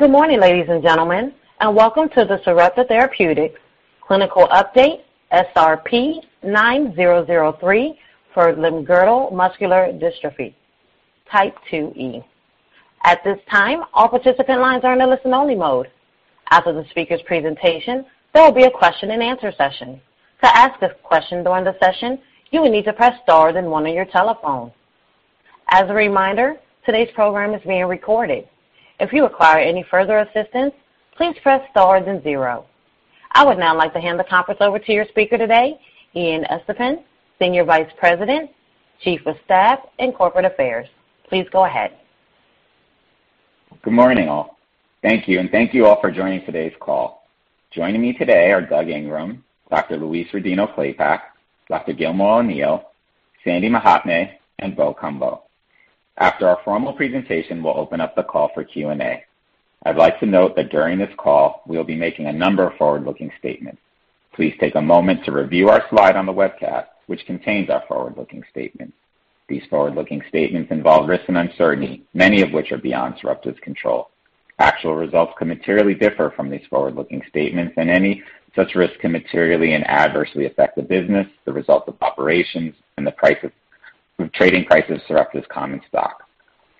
Good morning, ladies and gentlemen, and welcome to the Sarepta Therapeutics clinical update, SRP-9003 for limb-girdle muscular dystrophy type 2E. At this time, all participant lines are in a listen-only mode. After the speaker's presentation, there will be a question and answer session. To ask a question during the session, you will need to press star then one on your telephone. As a reminder, today's program is being recorded. If you require any further assistance, please press star then zero. I would now like to hand the conference over to your speaker today, Ian Estepan, Senior Vice President, Chief of Staff and Corporate Affairs. Please go ahead. Good morning, all. Thank you, thank you all for joining today's call. Joining me today are Doug Ingram, Dr. Louise Rodino-Klapac, Dr. Gilmore O'Neill, Sandy Mahatme, and Bo Cumbo. After our formal presentation, we'll open up the call for Q&A. I'd like to note that during this call, we'll be making a number of forward-looking statements. Please take a moment to review our slide on the webcast, which contains our forward-looking statements. These forward-looking statements involve risks and uncertainty, many of which are beyond Sarepta's control. Actual results can materially differ from these forward-looking statements, any such risks can materially and adversely affect the business, the results of operations, and the trading price of Sarepta's common stock.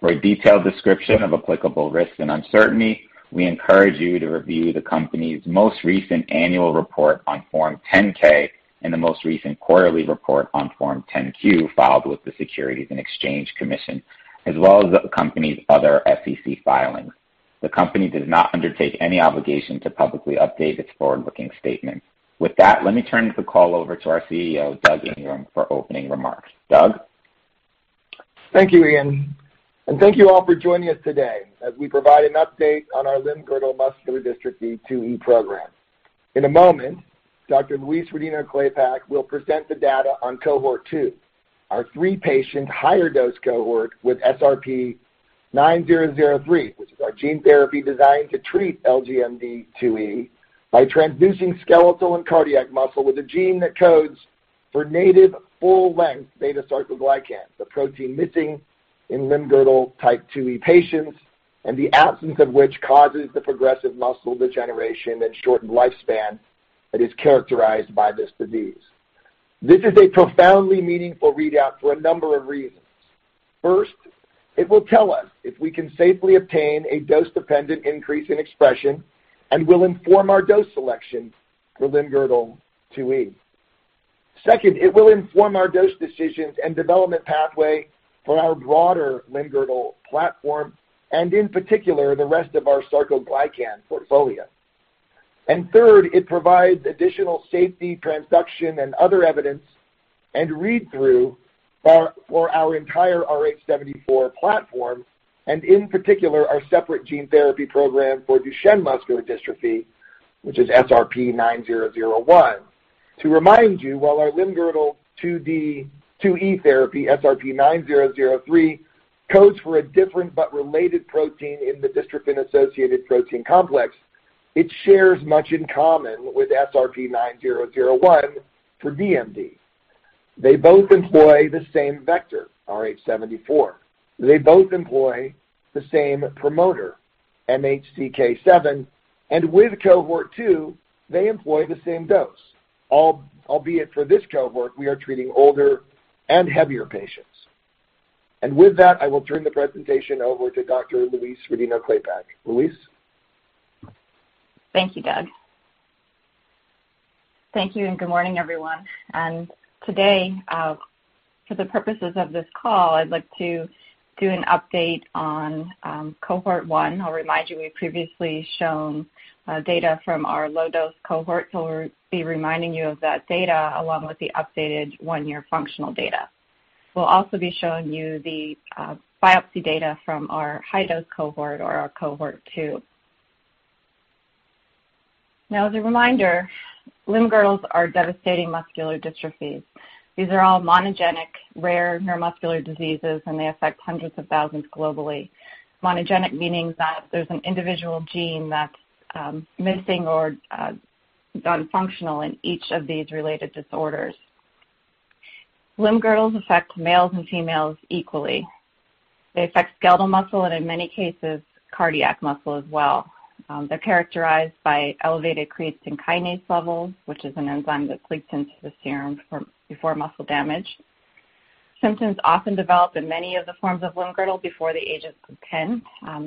For a detailed description of applicable risks and uncertainty, we encourage you to review the company's most recent annual report on Form 10-K and the most recent quarterly report on Form 10-Q filed with the Securities and Exchange Commission, as well as the company's other SEC filings. The company does not undertake any obligation to publicly update its forward-looking statements. With that, let me turn the call over to our CEO, Doug Ingram, for opening remarks. Doug? Thank you, Ian, and thank you all for joining us today as we provide an update on our Limb-Girdle Muscular Dystrophy 2E program. In a moment, Dr. Louise Rodino-Klapac will present the data on Cohort 2, our three-patient higher dose cohort with SRP-9003, which is our gene therapy designed to treat LGMD2E by transducing skeletal and cardiac muscle with a gene that codes for native full-length beta-sarcoglycan, the protein missing in limb-girdle type 2E patients, and the absence of which causes the progressive muscle degeneration and shortened lifespan that is characterized by this disease. This is a profoundly meaningful readout for a number of reasons. First, it will tell us if we can safely obtain a dose-dependent increase in expression and will inform our dose selection for limb-girdle 2E. Second, it will inform our dose decisions and development pathway for our broader limb-girdle platform, and in particular, the rest of our sarcoglycan portfolio. Third, it provides additional safety, transduction, and other evidence and read-through for our entire rh74 platform, and in particular, our separate gene therapy program for Duchenne muscular dystrophy, which is SRP-9001. To remind you, while our limb-girdle 2E therapy, SRP-9003, codes for a different but related protein in the dystrophin-associated protein complex, it shares much in common with SRP-9001 for DMD. They both employ the same vector, rh74. They both employ the same promoter, MHCK7. With Cohort 2, they employ the same dose. Albeit for this cohort, we are treating older and heavier patients. With that, I will turn the presentation over to Dr. Louise Rodino-Klapac. Louise? Thank you, Doug. Thank you. Good morning, everyone. Today, for the purposes of this call, I'd like to do an update on Cohort 1. I'll remind you, we've previously shown data from our low-dose cohort. We'll be reminding you of that data along with the updated one-year functional data. We'll also be showing you the biopsy data from our high-dose cohort or our Cohort 2. As a reminder, limb girdles are devastating muscular dystrophies. These are all monogenic, rare neuromuscular diseases, and they affect hundreds of thousands globally. Monogenic meaning that there's an individual gene that's missing or non-functional in each of these related disorders. Limb girdles affect males and females equally. They affect skeletal muscle, and in many cases, cardiac muscle as well. They're characterized by elevated creatine kinase levels, which is an enzyme that leaks into the serum before muscle damage. Symptoms often develop in many of the forms of limb-girdle before the age of 10.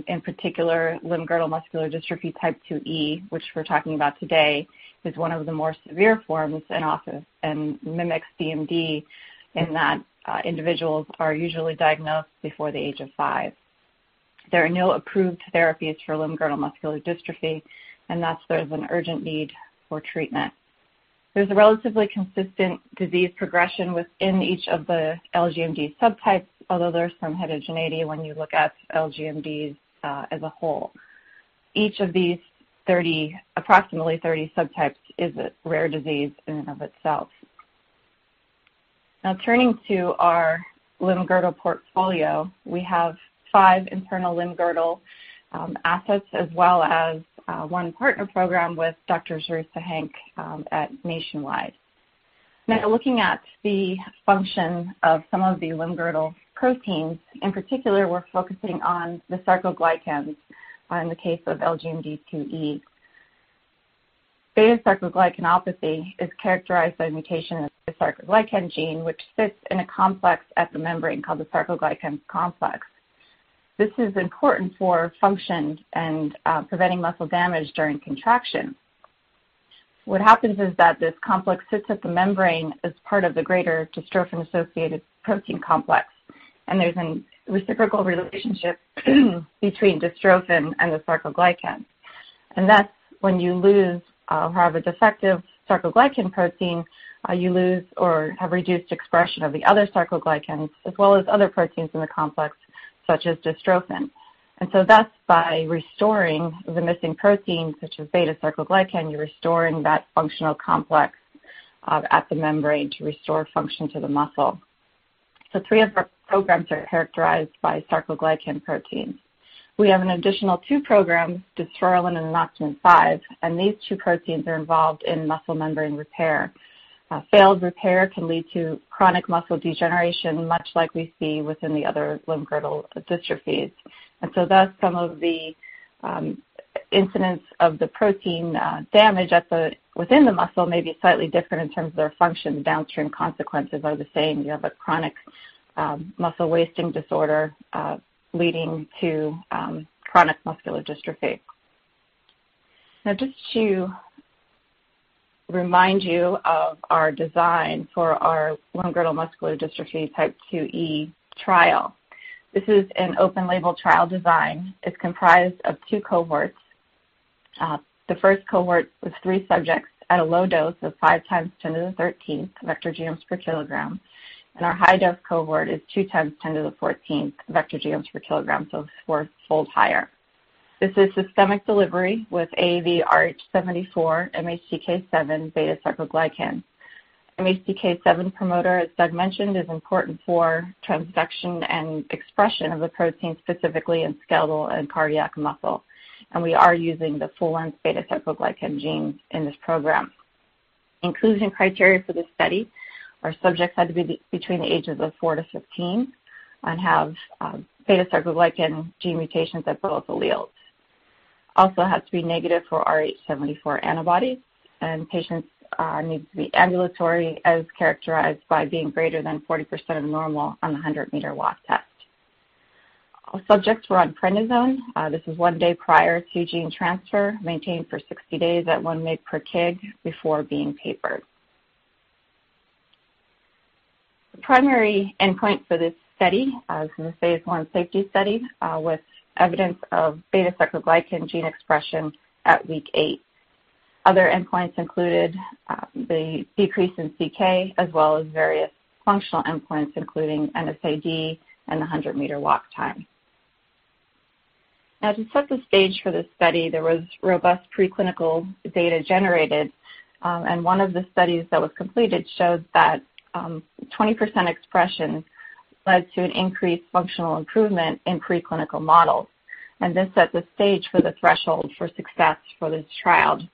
In particular, limb-girdle muscular dystrophy Type 2E, which we're talking about today, is one of the more severe forms and mimics DMD in that individuals are usually diagnosed before the age of five. There are no approved therapies for limb-girdle muscular dystrophy, and thus there's an urgent need for treatment. There's a relatively consistent disease progression within each of the LGMD subtypes, although there's some heterogeneity when you look at LGMDs as a whole. Each of these approximately 30 subtypes is a rare disease in and of itself. Turning to our limb-girdle portfolio, we have five internal limb-girdle assets as well as one partner program with Dr. Zarife Sahenk at Nationwide. Looking at the function of some of the limb-girdle proteins, in particular, we're focusing on the sarcoglycans in the case of LGMD2E. Beta-sarcoglycanopathy is characterized by mutation of the sarcoglycan gene, which sits in a complex at the membrane called the sarcoglycan complex. This is important for function and preventing muscle damage during contraction. What happens is that this complex sits at the membrane as part of the greater dystrophin-associated protein complex, and there's a reciprocal relationship between dystrophin and the sarcoglycan. Thus when you lose or have a defective sarcoglycan protein, you lose or have reduced expression of the other sarcoglycans as well as other proteins in the complex, such as dystrophin. Thus by restoring the missing protein such as beta-sarcoglycan, you're restoring that functional complex at the membrane to restore function to the muscle. Three of our programs are characterized by sarcoglycan proteins. We have an additional two programs, dysferlin and anoctamin-5, and these two proteins are involved in muscle membrane repair. Failed repair can lead to chronic muscle degeneration, much like we see within the other limb-girdle dystrophies. Thus some of the incidents of the protein damage within the muscle may be slightly different in terms of their function. The downstream consequences are the same. You have a chronic muscle wasting disorder leading to chronic muscular dystrophy. Just to remind you of our design for our limb-girdle muscular dystrophy type 2E trial. This is an open-label trial design. It's comprised of two cohorts. The first cohort with three subjects at a low dose of five times 10 to the 13th vector genomes per kilogram, and our high-dose cohort is two times 10 to the 14th vector genomes per kilogram, so fourfold higher. This is systemic delivery with AAVrh74 MHCK7 beta-sarcoglycan. MHCK7 promoter, as Doug mentioned, is important for transduction and expression of the protein specifically in skeletal and cardiac muscle. We are using the full-length beta-sarcoglycan gene in this program. Inclusion criteria for this study are subjects had to be between the ages of 4-15 and have beta-sarcoglycan gene mutations at both alleles. Also had to be negative for rh74 antibodies. Patients need to be ambulatory as characterized by being greater than 40% of normal on the 100-m walk test. All subjects were on prednisone. This is one day prior to gene transfer, maintained for 60 days at 1 mg per kg before being tapered. The primary endpoint for this study as in the phase I safety study was evidence of beta-sarcoglycan gene expression at week eight. Other endpoints included the decrease in CK as well as various functional endpoints, including NSAD and the 100-m walk time. Now to set the stage for this study, there was robust preclinical data generated. One of the studies that was completed showed that 20% expression led to an increased functional improvement in preclinical models. This set the stage for the threshold for success for this trial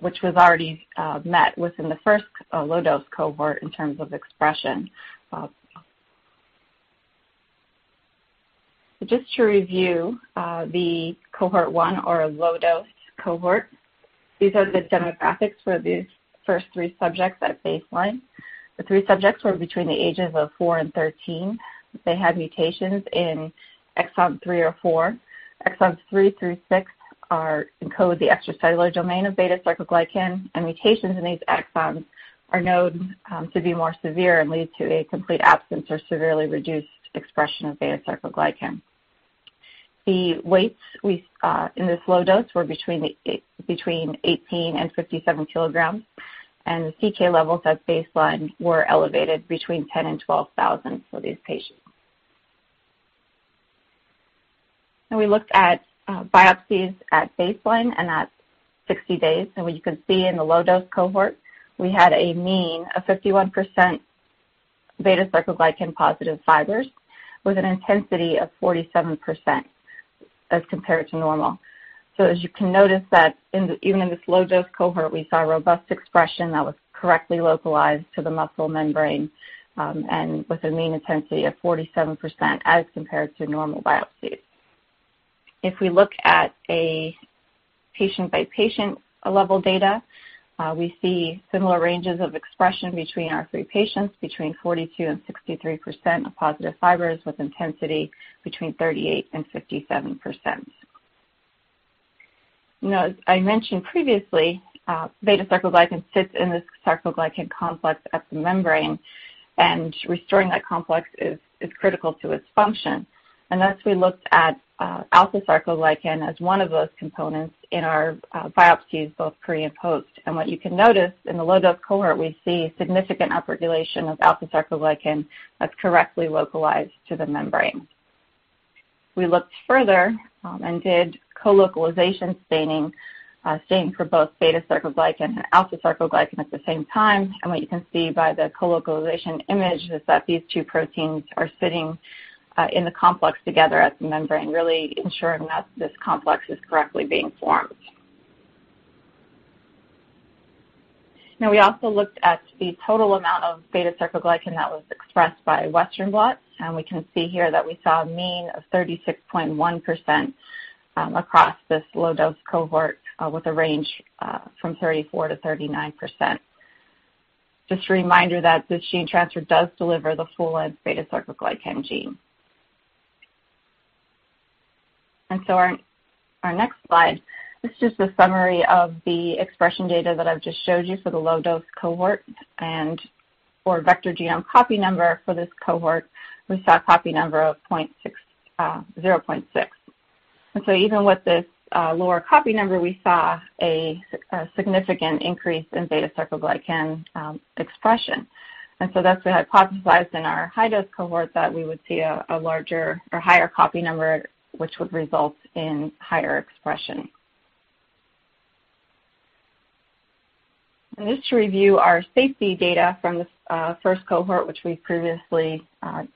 which was already met within the first low-dose cohort in terms of expression. Just to review the Cohort 1 or a low-dose cohort, these are the demographics for these first three subjects at baseline. The three subjects were between the ages of four and 13. They had mutations in exon three or four. Exons three through six encode the extracellular domain of beta-sarcoglycan. Mutations in these exons are known to be more severe and lead to a complete absence or severely reduced expression of beta-sarcoglycan. The weights in this low dose were between 18 kg and 57 kg. The CK levels at baseline were elevated between 10,000 and 12,000 for these patients. We looked at biopsies at baseline and at 60 days. What you can see in the low-dose cohort, we had a mean of 51% beta-sarcoglycan positive fibers with an intensity of 47% as compared to normal. As you can notice that even in this low-dose cohort, we saw a robust expression that was correctly localized to the muscle membrane. With a mean intensity of 47% as compared to normal biopsies. If we look at a patient-by-patient level data, we see similar ranges of expression between our three patients, between 42% and 63% of positive fibers with intensity between 38% and 57%. Now, as I mentioned previously, beta-sarcoglycan sits in this sarcoglycan complex at the membrane, and restoring that complex is critical to its function. Thus, we looked at alpha sarcoglycan as one of those components in our biopsies, both pre and post. What you can notice in the low dose cohort, we see significant upregulation of alpha sarcoglycan that's correctly localized to the membrane. We looked further and did colocalization staining for both beta-sarcoglycan and alpha sarcoglycan at the same time. What you can see by the colocalization image is that these two proteins are sitting in the complex together at the membrane, really ensuring that this complex is correctly being formed. Now we also looked at the total amount of beta-sarcoglycan that was expressed by Western blot, and we can see here that we saw a mean of 36.1% across this low dose cohort with a range from 34%-39%. Just a reminder that this gene transfer does deliver the full-length beta-sarcoglycan gene. Our next slide, this is the summary of the expression data that I've just showed you for the low dose cohort and for vector genome copy number for this cohort, we saw a copy number of 0.6. Even with this lower copy number, we saw a significant increase in beta-sarcoglycan expression. That's what hypothesized in our high dose cohort that we would see a larger or higher copy number, which would result in higher expression. Just to review our safety data from this first cohort which we've previously disclosed.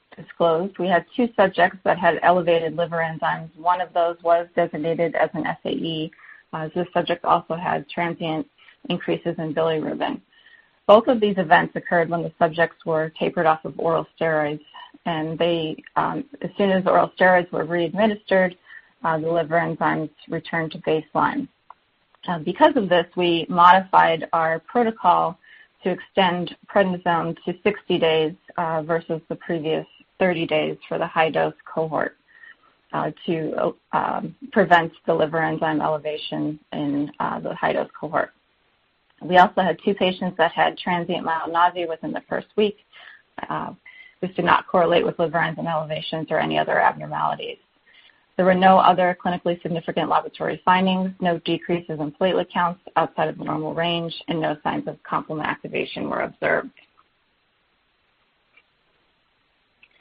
We had two subjects that had elevated liver enzymes. One of those was designated as an SAE. This subject also had transient increases in bilirubin. Both of these events occurred when the subjects were tapered off of oral steroids, and as soon as oral steroids were readministered, the liver enzymes returned to baseline. Because of this, we modified our protocol to extend prednisone to 60 days, versus the previous 30 days for the high dose cohort to prevent the liver enzyme elevation in the high dose cohort. We also had two patients that had transient mild nausea within the first week, which did not correlate with liver enzyme elevations or any other abnormalities. There were no other clinically significant laboratory findings, no decreases in platelet counts outside of the normal range, and no signs of complement activation were observed.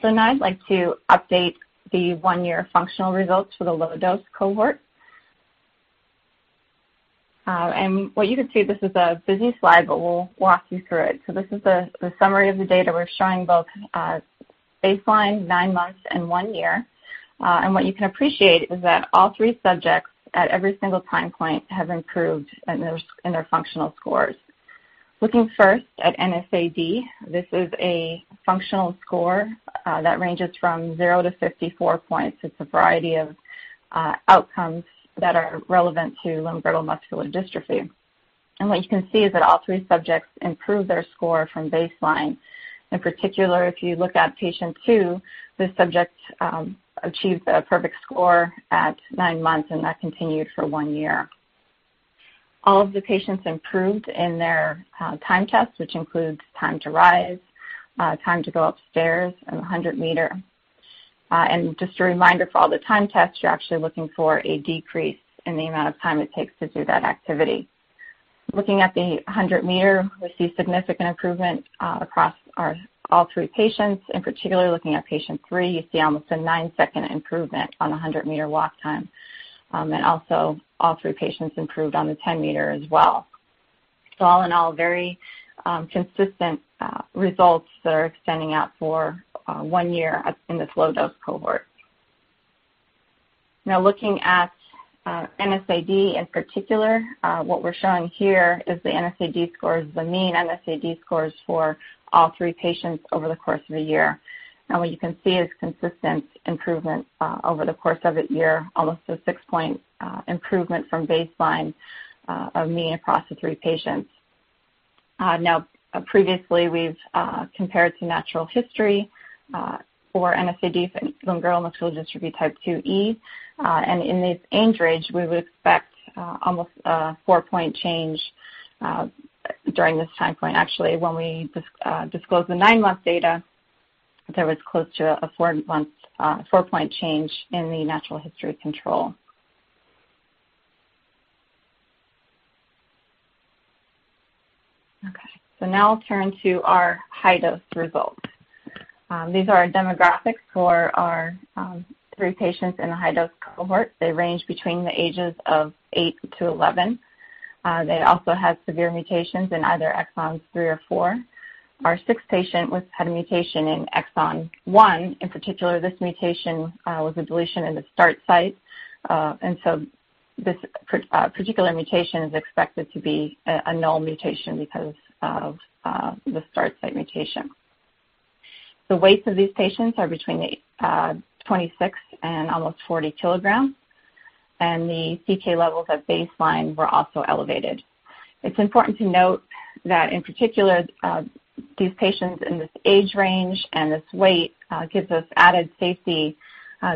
Now I'd like to update the one-year functional results for the low dose cohort. What you can see, this is a busy slide, but we'll walk you through it. This is the summary of the data. We're showing both baseline, nine months, and one year. What you can appreciate is that all three subjects at every single time point have improved in their functional scores. Looking first at NSAD, this is a functional score that ranges from 0-54 points. It's a variety of outcomes that are relevant to limb-girdle muscular dystrophy. What you can see is that all three subjects improved their score from baseline. In particular, if you look at patient two, this subject achieved a perfect score at nine months, and that continued for one year. All of the patients improved in their time tests, which includes time to rise, time to go upstairs, and the 100 m. Just a reminder, for all the time tests, you're actually looking for a decrease in the amount of time it takes to do that activity. Looking at the 100 m, we see significant improvement across all three patients. In particular, looking at patient three, you see almost a nine-second improvement on the 100 m walk time. Also all three patients improved on the 10 m as well. All in all, very consistent results that are extending out for one year in this low dose cohort. Looking at NSAD in particular, what we're showing here is the NSAD scores, the mean NSAD scores for all three patients over the course of a year. What you can see is consistent improvement over the course of a year, almost a 6-point improvement from baseline of mean across the three patients. Previously we've compared to natural history for NSAD for limb-girdle muscular dystrophy type 2E. In this age range, we would expect almost a 4-point change during this time point. Actually, when we disclosed the nine-month data, there was close to a 4-point change in the natural history control. Now I'll turn to our high dose results. These are our demographics for our three patients in the high dose cohort. They range between the ages of 8-11. They also have severe mutations in either exons 3 or 4. Our sixth patient had a mutation in exon 1. In particular, this mutation was a deletion in the start site. This particular mutation is expected to be a null mutation because of the start site mutation. The weights of these patients are between 26 kg and almost 40 kg, and the CK levels at baseline were also elevated. It's important to note that in particular, these patients in this age range and this weight gives us added safety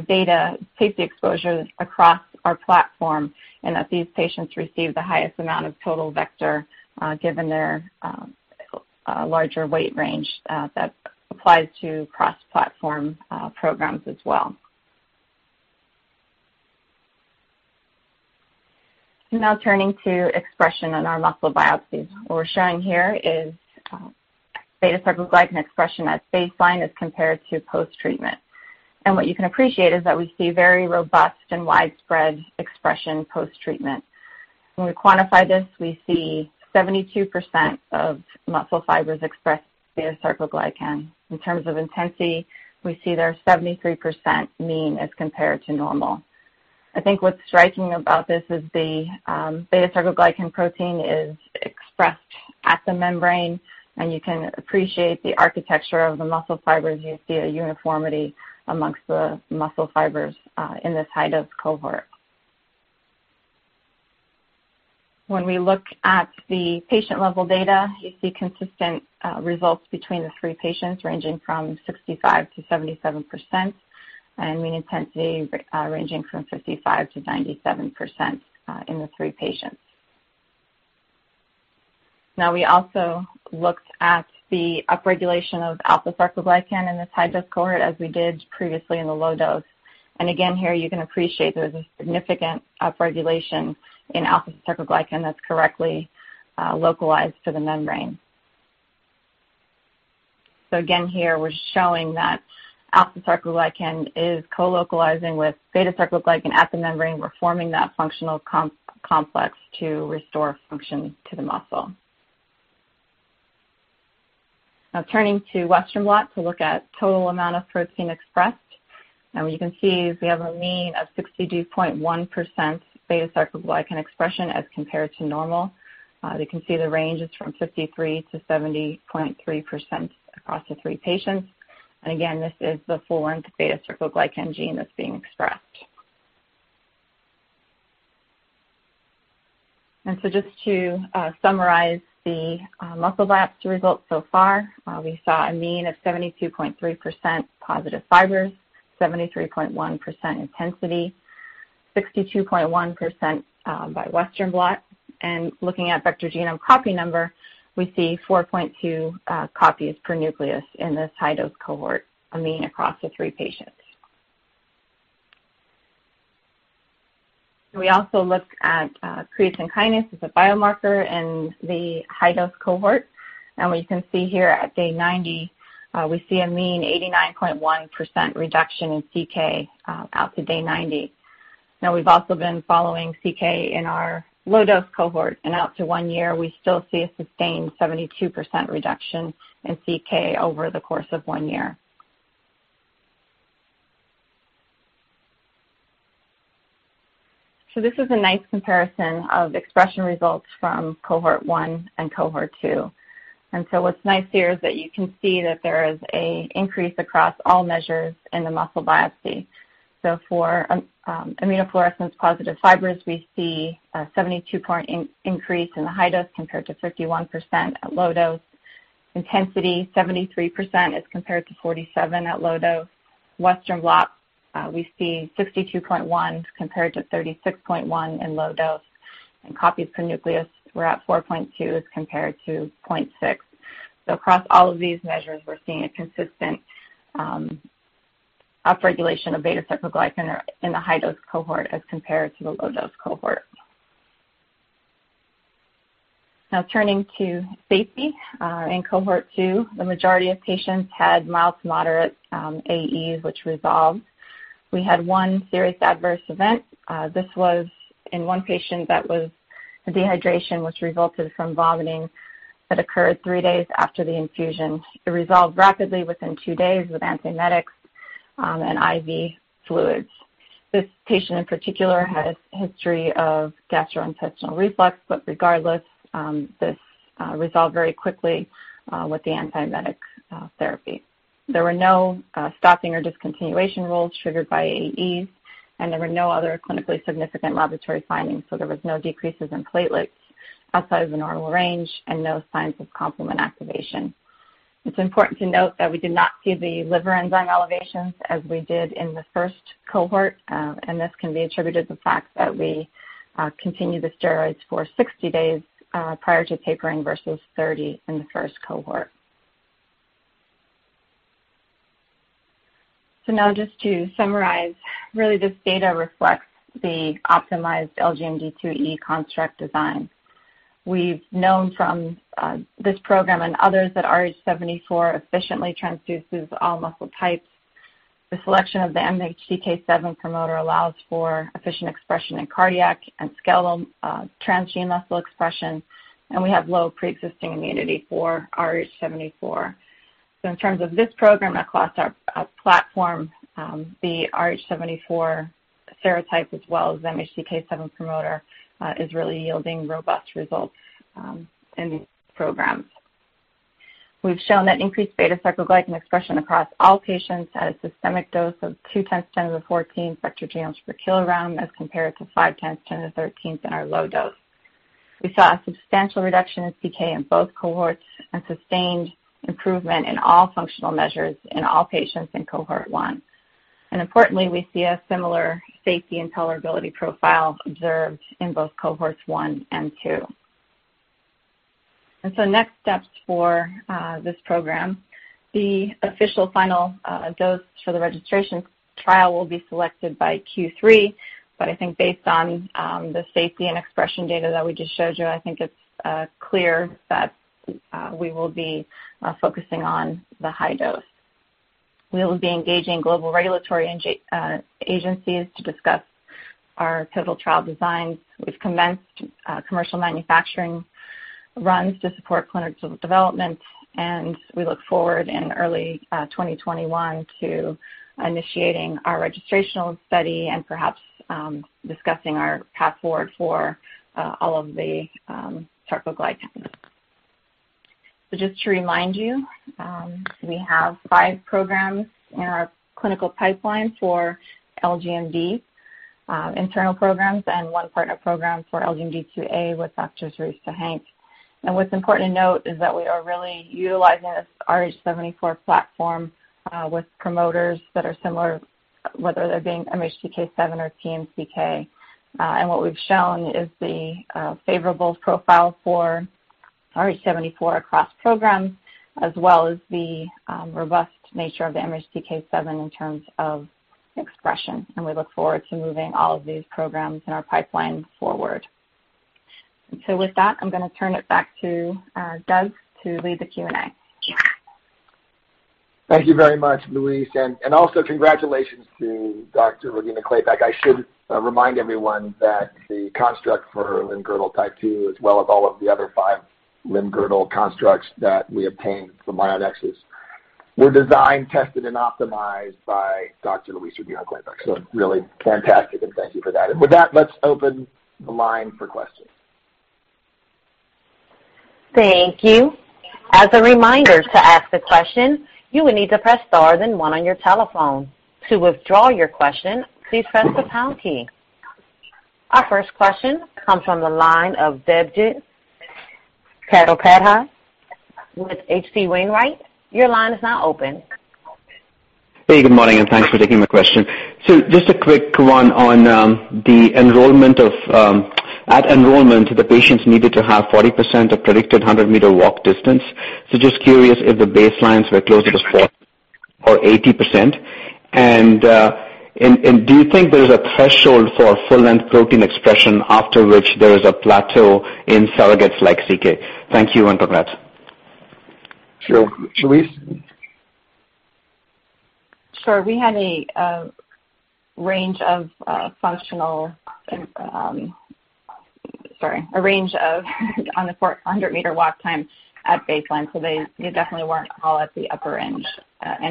data, safety exposures across our platform, and that these patients receive the highest amount of total vector given their larger weight range that applies to cross-platform programs as well. Turning to expression in our muscle biopsies. What we're showing here is beta-sarcoglycan expression at baseline as compared to post-treatment. What you can appreciate is that we see very robust and widespread expression post-treatment. When we quantify this, we see 72% of muscle fibers express beta-sarcoglycan. In terms of intensity, we see there's 73% mean as compared to normal. I think what's striking about this is the beta-sarcoglycan protein is expressed at the membrane, and you can appreciate the architecture of the muscle fibers. You see a uniformity amongst the muscle fibers in this high dose cohort. When we look at the patient-level data, you see consistent results between the three patients ranging from 65%-77%, and mean intensity ranging from 55%-97% in the three patients. We also looked at the upregulation of alpha sarcoglycan in this high dose cohort as we did previously in the low dose. Again, here you can appreciate there's a significant upregulation in alpha sarcoglycan that's correctly localized to the membrane. Again, here we're showing that alpha sarcoglycan is co-localizing with beta-sarcoglycan at the membrane. We're forming that functional complex to restore function to the muscle. Now turning to Western blot to look at total amount of protein expressed. What you can see is we have a mean of 62.1% beta-sarcoglycan expression as compared to normal. You can see the range is from 53%-70.3% across the three patients. Again, this is the full-length beta-sarcoglycan gene that's being expressed. Just to summarize the muscle biopsy results so far, we saw a mean of 72.3% positive fibers, 73.1% intensity, 62.1% by Western blot, and looking at vector genome copy number, we see 4.2 copies per nucleus in this high dose cohort, a mean across the three patients. We also looked at creatine kinase as a biomarker in the high dose cohort. What you can see here at day 90, we see a mean 89.1% reduction in CK out to day 90. We've also been following CK in our low dose cohort and out to one year, we still see a sustained 72% reduction in CK over the course of one year. This is a nice comparison of expression results from Cohort 1 and Cohort 2. What's nice here is that you can see that there is an increase across all measures in the muscle biopsy. For immunofluorescence positive fibers, we see a 72-point increase in the high dose compared to 51% at low dose. Intensity, 73% as compared to 47% at low dose. Western blot, we see 62.1% compared to 36.1% in low dose, and copies per nucleus were at 4.2 as compared to 0.6. Across all of these measures, we're seeing a consistent upregulation of beta-sarcoglycan in the high dose cohort as compared to the low dose cohort. Turning to safety. In Cohort 2, the majority of patients had mild to moderate AEs which resolved. We had one serious adverse event. This was in one patient that was dehydration which resulted from vomiting that occurred three days after the infusion. It resolved rapidly within two days with antiemetics and IV fluids. This patient in particular had a history of gastrointestinal reflux. Regardless, this resolved very quickly with the antiemetic therapy. There were no stopping or discontinuation rules triggered by AEs. There were no other clinically significant laboratory findings. There was no decreases in platelets outside of the normal range and no signs of complement activation. It's important to note that we did not see the liver enzyme elevations as we did in the first cohort. This can be attributed to the fact that we continue the steroids for 60 days prior to tapering versus 30 in the first cohort. Now just to summarize, really this data reflects the optimized LGMD2E construct design. We've known from this program and others that rh74 efficiently transduces all muscle types. The selection of the MHCK7 promoter allows for efficient expression in cardiac and skeletal transgene muscle expression. We have low pre-existing immunity for rh74. In terms of this program across our platform, the rh74 serotype as well as the MHCK7 promoter is really yielding robust results in these programs. We've shown that increased beta-sarcoglycan expression across all patients at a systemic dose of 2 times 10 to the 14th vector genomes per kilogram as compared to 5 times 10 to the 13th in our low dose. We saw a substantial reduction in CK in both cohorts and sustained improvement in all functional measures in all patients in Cohort 1. Importantly, we see a similar safety and tolerability profile observed in both Cohorts 1 and 2. Next steps for this program, the official final dose for the registration trial will be selected by Q3, but I think based on the safety and expression data that we just showed you, I think it's clear that we will be focusing on the high dose. We will be engaging global regulatory agencies to discuss our pivotal trial designs. We've commenced commercial manufacturing runs to support clinical development, and we look forward in early 2021 to initiating our registrational study and perhaps discussing our path forward for all of the sarcoglycans. Just to remind you, we have five programs in our clinical pipeline for LGMD internal programs and one partner program for LGMD2A with Dr. Zarife Sahenk. What's important to note is that we are really utilizing this rh74 platform with promoters that are similar, whether they're being MHCK7 or tMCK. What we've shown is the favorable profile for rh74 across programs as well as the robust nature of the MHCK7 in terms of expression, and we look forward to moving all of these programs in our pipeline forward. With that, I'm going to turn it back to Doug to lead the Q&A. Thank you very much, Louise, and also congratulations to Dr. Louise Klapac. I should remind everyone that the construct for limb-girdle type 2, as well as all of the other five limb-girdle constructs that we obtained from Myonexus were designed, tested, and optimized by Dr. Louise Rodino-Klapac. Really fantastic, and thank you for that. With that, let's open the line for questions. Thank you. As a reminder, to ask a question, you will need to press star then one on your telephone. To withdraw your question, please press the pound key. Our first question comes from the line of Debjit Chattopadhyay with H.C. Wainwright. Your line is now open. Hey, good morning, and thanks for taking my question. Just a quick one on at enrollment, the patients needed to have 40% of predicted 100 m walk distance. Just curious if the baselines were close to 40% or 80%. Do you think there is a threshold for full-length protein expression after which there is a plateau in surrogates like CK? Thank you, and congrats. Sure. Louise? Sure. We had a range of on the 100 m walk time at baseline. They definitely weren't all at the upper end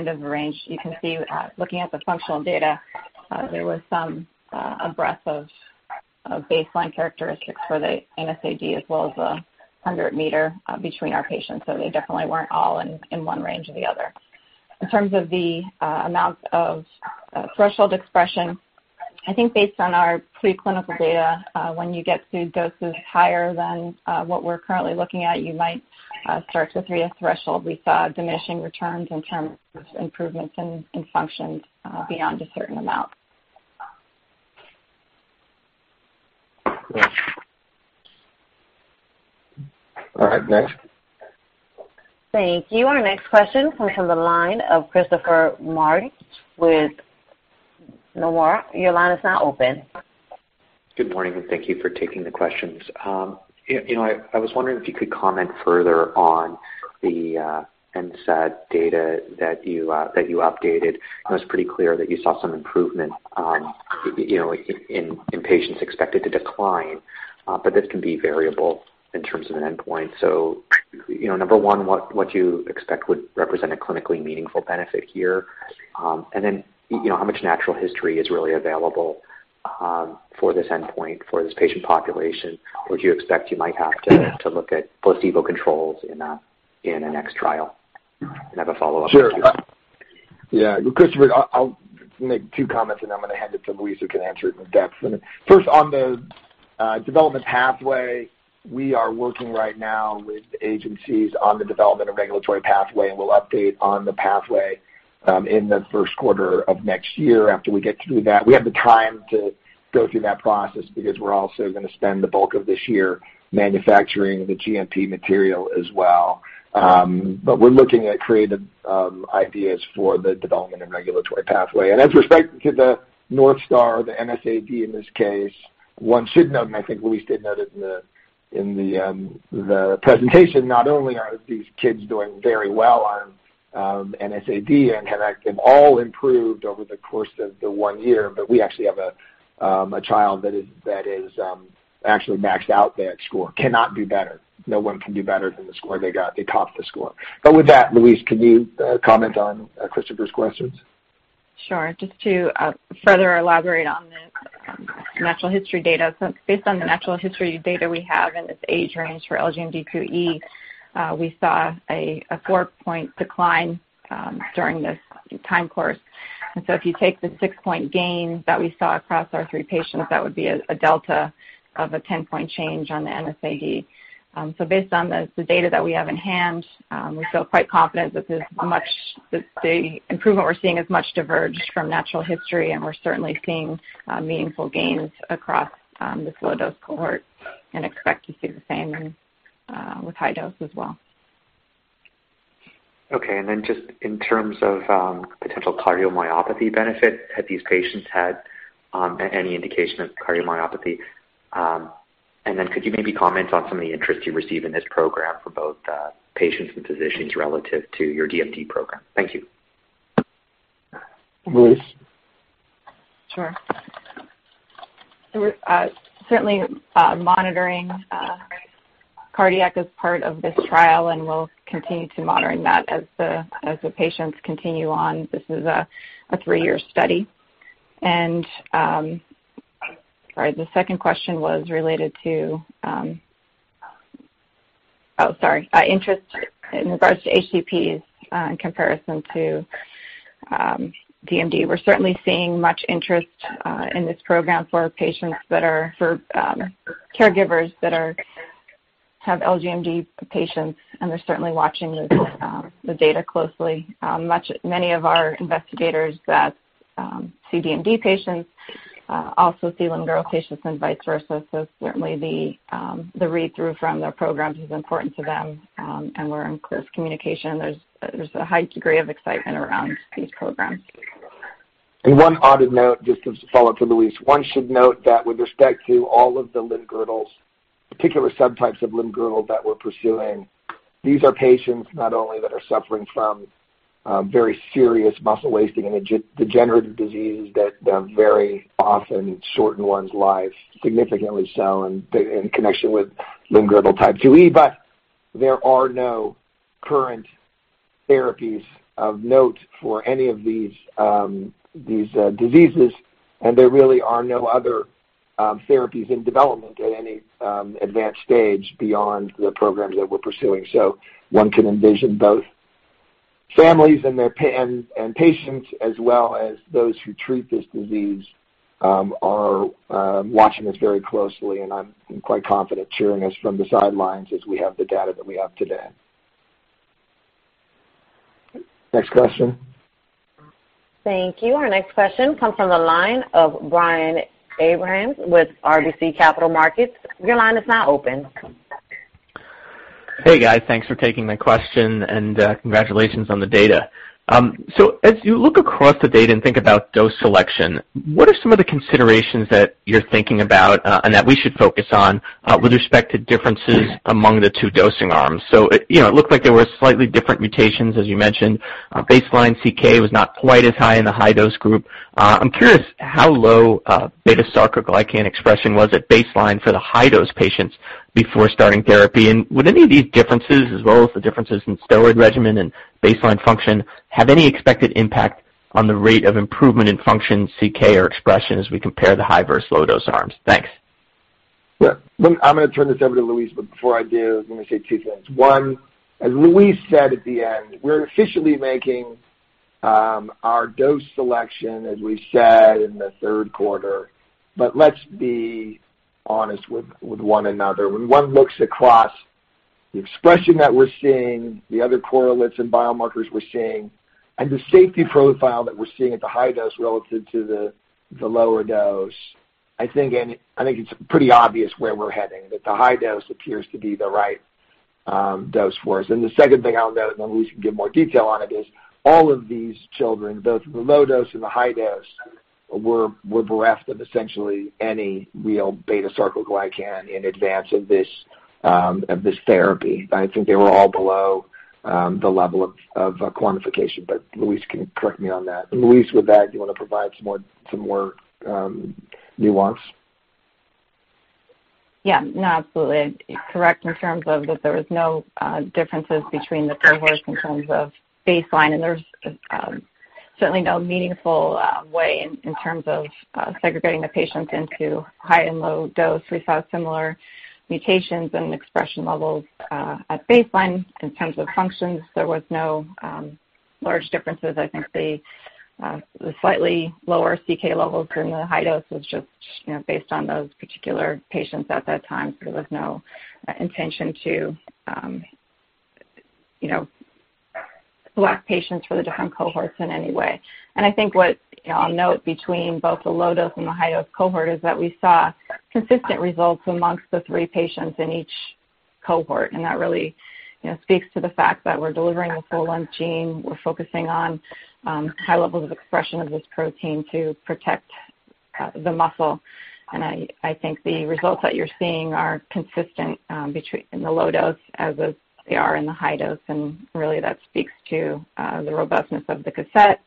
of the range. You can see, looking at the functional data, there was some breadth of baseline characteristics for the NSAD as well as the 100 m between our patients. They definitely weren't all in one range or the other. In terms of the amount of threshold expression, I think based on our preclinical data, when you get to doses higher than what we're currently looking at, you might start to reach a threshold. We saw diminishing returns in terms of improvements in functions beyond a certain amount. All right, next. Thank you. Our next question comes from the line of Christopher Marai with Nomura. Your line is now open. Good morning, and thank you for taking the questions. I was wondering if you could comment further on the NSAD data that you updated. It was pretty clear that you saw some improvement in patients expected to decline, but this can be variable in terms of an endpoint. Number one, what do you expect would represent a clinically meaningful benefit here? How much natural history is really available for this endpoint, for this patient population? Would you expect you might have to look at placebo controls in the next trial? I have a follow-up. Sure. Yeah, Christopher, I'll make two comments, and then I'm going to hand it to Louise, who can answer it in depth. First, on the development pathway, we are working right now with agencies on the development of regulatory pathway, and we'll update on the pathway in the first quarter of next year after we get through that. We have the time to go through that process because we're also going to spend the bulk of this year manufacturing the GMP material as well. We're looking at creative ideas for the development and regulatory pathway. As respect to the North Star, the NSAD in this case, one should note, and I think Louise did note it in the presentation, not only are these kids doing very well on NSAD and have all improved over the course of the one year, but we actually have a child that has actually maxed out their score. Cannot do better. No one can do better than the score they got. They topped the score. With that, Louise, can you comment on Christopher's questions? Sure. Just to further elaborate on the natural history data. Based on the natural history data we have in this age range for LGMD2E, we saw a 4-point decline during this time course. If you take the 6-point gain that we saw across our three patients, that would be a delta of a 10-point change on the NSAD. Based on the data that we have in hand, we feel quite confident that the improvement we're seeing is much diverged from natural history, and we're certainly seeing meaningful gains across this low dose cohort and expect to see the same with high dose as well. Okay. Just in terms of potential cardiomyopathy benefit, had these patients had any indication of cardiomyopathy? Could you maybe comment on some of the interest you receive in this program for both patients and physicians relative to your DMD program? Thank you. Louise? Sure. We're certainly monitoring cardiac as part of this trial, and we'll continue to monitor that as the patients continue on. This is a three-year study. Sorry, the second question was related to Interest in regards to HCPs in comparison to DMD. We're certainly seeing much interest in this program for caregivers that have LGMD patients, and they're certainly watching the data closely. Many of our investigators that see DMD patients also see limb-girdle patients and vice versa. Certainly the read-through from their programs is important to them. We're in close communication. There's a high degree of excitement around these programs. One added note, just as a follow-up to Louise. One should note that with respect to all of the limb-girdle, particular subtypes of limb-girdle that we're pursuing, these are patients not only that are suffering from very serious muscle wasting and degenerative diseases that very often shorten one's life significantly so, and in connection with limb-girdle type 2E, there are no current therapies of note for any of these diseases, and there really are no other therapies in development at any advanced stage beyond the programs that we're pursuing. One can envision both families and patients, as well as those who treat this disease, are watching this very closely, and I'm quite confident cheering us from the sidelines as we have the data that we have today. Next question. Thank you. Our next question comes from the line of Brian Abrahams with RBC Capital Markets. Your line is now open. Thanks for taking my question, congratulations on the data. As you look across the data and think about dose selection, what are some of the considerations that you're thinking about, and that we should focus on, with respect to differences among the two dosing arms? It looked like there were slightly different mutations, as you mentioned. Baseline CK was not quite as high in the high-dose group. I'm curious how low beta-sarcoglycan expression was at baseline for the high-dose patients before starting therapy. Would any of these differences, as well as the differences in steroid regimen and baseline function, have any expected impact on the rate of improvement in function, CK, or expression as we compare the high versus low dose arms? Thanks. I'm going to turn this over to Louise. Before I do, let me say two things. One, as Louise said at the end, we're officially making our dose selection, as we said, in the third quarter. Let's be honest with one another. When one looks across the expression that we're seeing, the other correlates and biomarkers we're seeing, and the safety profile that we're seeing at the high dose relative to the lower dose, I think it's pretty obvious where we're heading, that the high dose appears to be the right dose for us. The second thing I'll note, and then Louise can give more detail on it, is all of these children, both in the low dose and the high dose, were bereft of essentially any real beta-sarcoglycan in advance of this therapy. I think they were all below the level of quantification, but Louise can correct me on that. Louise, with that, do you want to provide some more nuance? Yeah, no, absolutely. Correct in terms of that there was no differences between the cohorts in terms of baseline, and there's certainly no meaningful way in terms of segregating the patients into high and low dose. We saw similar mutations and expression levels at baseline. In terms of functions, there was no large differences. I think the slightly lower CK levels during the high dose was just based on those particular patients at that time. There was no intention to select patients for the different cohorts in any way. I think what I'll note between both the low dose and the high dose cohort is that we saw consistent results amongst the three patients in each cohort, and that really speaks to the fact that we're delivering a full-length gene. We're focusing on high levels of expression of this protein to protect the muscle. I think the results that you're seeing are consistent in the low dose as they are in the high dose, and really that speaks to the robustness of the cassette,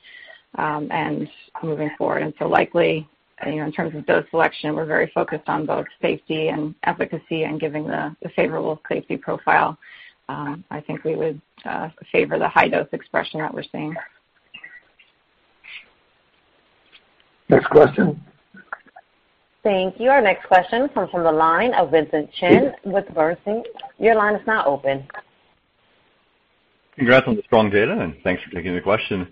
and moving forward. Likely, in terms of dose selection, we're very focused on both safety and efficacy and giving the favorable safety profile. I think we would favor the high dose expression that we're seeing. Next question. Thank you. Our next question comes from the line of Vincent Chen with Bernstein. Your line is now open. Congrats on the strong data, thanks for taking the question.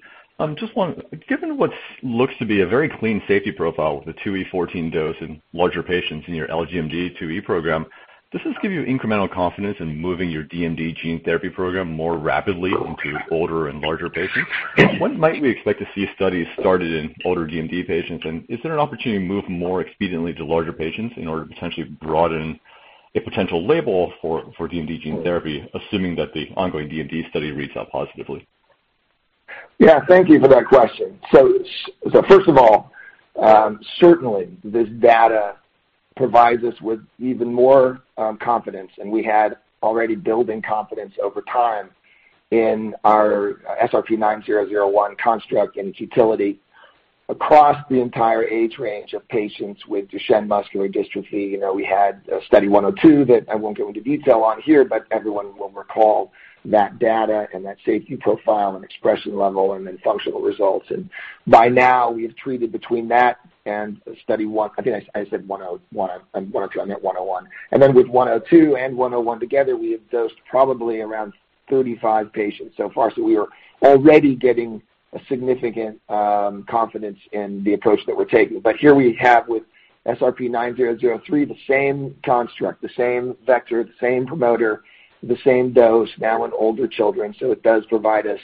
Given what looks to be a very clean safety profile with the 2E14 dose in larger patients in your LGMD2E program, does this give you incremental confidence in moving your DMD gene therapy program more rapidly into older and larger patients? When might we expect to see studies started in older DMD patients, and is there an opportunity to move more expediently to larger patients in order to potentially broaden a potential label for DMD gene therapy, assuming that the ongoing DMD study reads out positively? Thank you for that question. First of all, certainly this data provides us with even more confidence, and we had already building confidence over time in our SRP-9001 construct and its utility across the entire age range of patients with Duchenne muscular dystrophy. We had Study 102 that I won't get into detail on here, everyone will recall that data and that safety profile and expression level and then functional results. By now we have treated between that and Study 101. Then with 102 and 101 together, we have dosed probably around 35 patients so far. We are already getting a significant confidence in the approach that we're taking. Here we have with SRP-9003, the same construct, the same vector, the same promoter, the same dose now in older children. It does provide us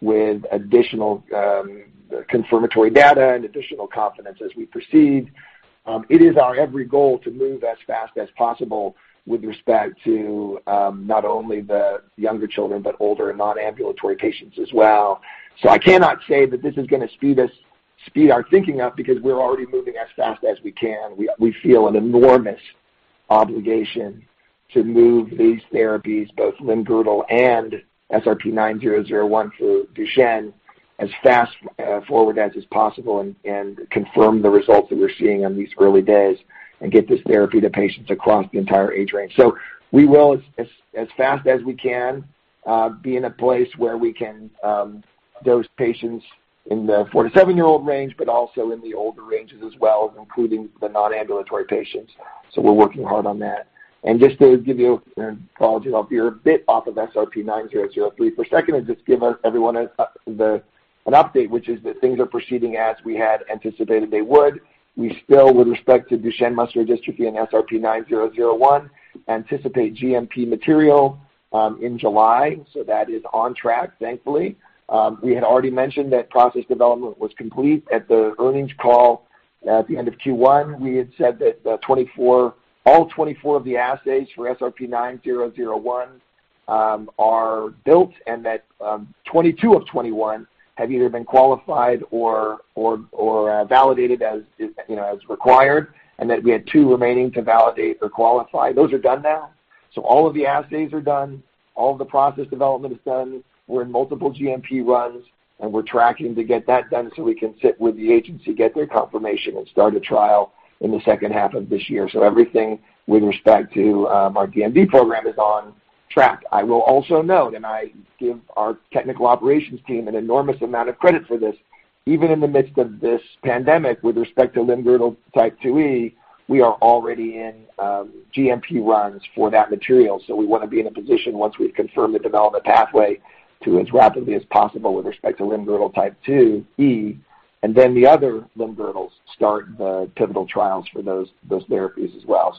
with additional confirmatory data and additional confidence as we proceed. It is our every goal to move as fast as possible with respect to not only the younger children, but older and non-ambulatory patients as well. I cannot say that this is going to speed our thinking up because we're already moving as fast as we can. We feel an enormous obligation to move these therapies, both limb-girdle and SRP-9001 for Duchenne, as fast forward as is possible and confirm the results that we're seeing on these early days and get this therapy to patients across the entire age range. We will, as fast as we can, be in a place where we can dose patients in the four to seven-year-old range, but also in the older ranges as well, including the non-ambulatory patients. We're working hard on that. Just to give you, and apologies, I'll veer a bit off of SRP-9003 for a second and just give everyone an update, which is that things are proceeding as we had anticipated they would. We still, with respect to Duchenne muscular dystrophy and SRP-9001, anticipate GMP material in July. That is on track, thankfully. We had already mentioned that process development was complete at the earnings call at the end of Q1. We had said that all 24 of the assays for SRP-9001 are built and that 22 of 21 have either been qualified or validated as required, and that we had two remaining to validate or qualify. Those are done now. All of the assays are done, all of the process development is done. We're in multiple GMP runs, and we're tracking to get that done so we can sit with the agency, get their confirmation, and start a trial in the second half of this year. Everything with respect to our DMD program is on track. I will also note, and I give our technical operations team an enormous amount of credit for this, even in the midst of this pandemic, with respect to limb-girdle type 2E, we are already in GMP runs for that material. We want to be in a position, once we've confirmed the development pathway, to as rapidly as possible with respect to limb-girdle type 2E. The other limb girdles start the pivotal trials for those therapies as well.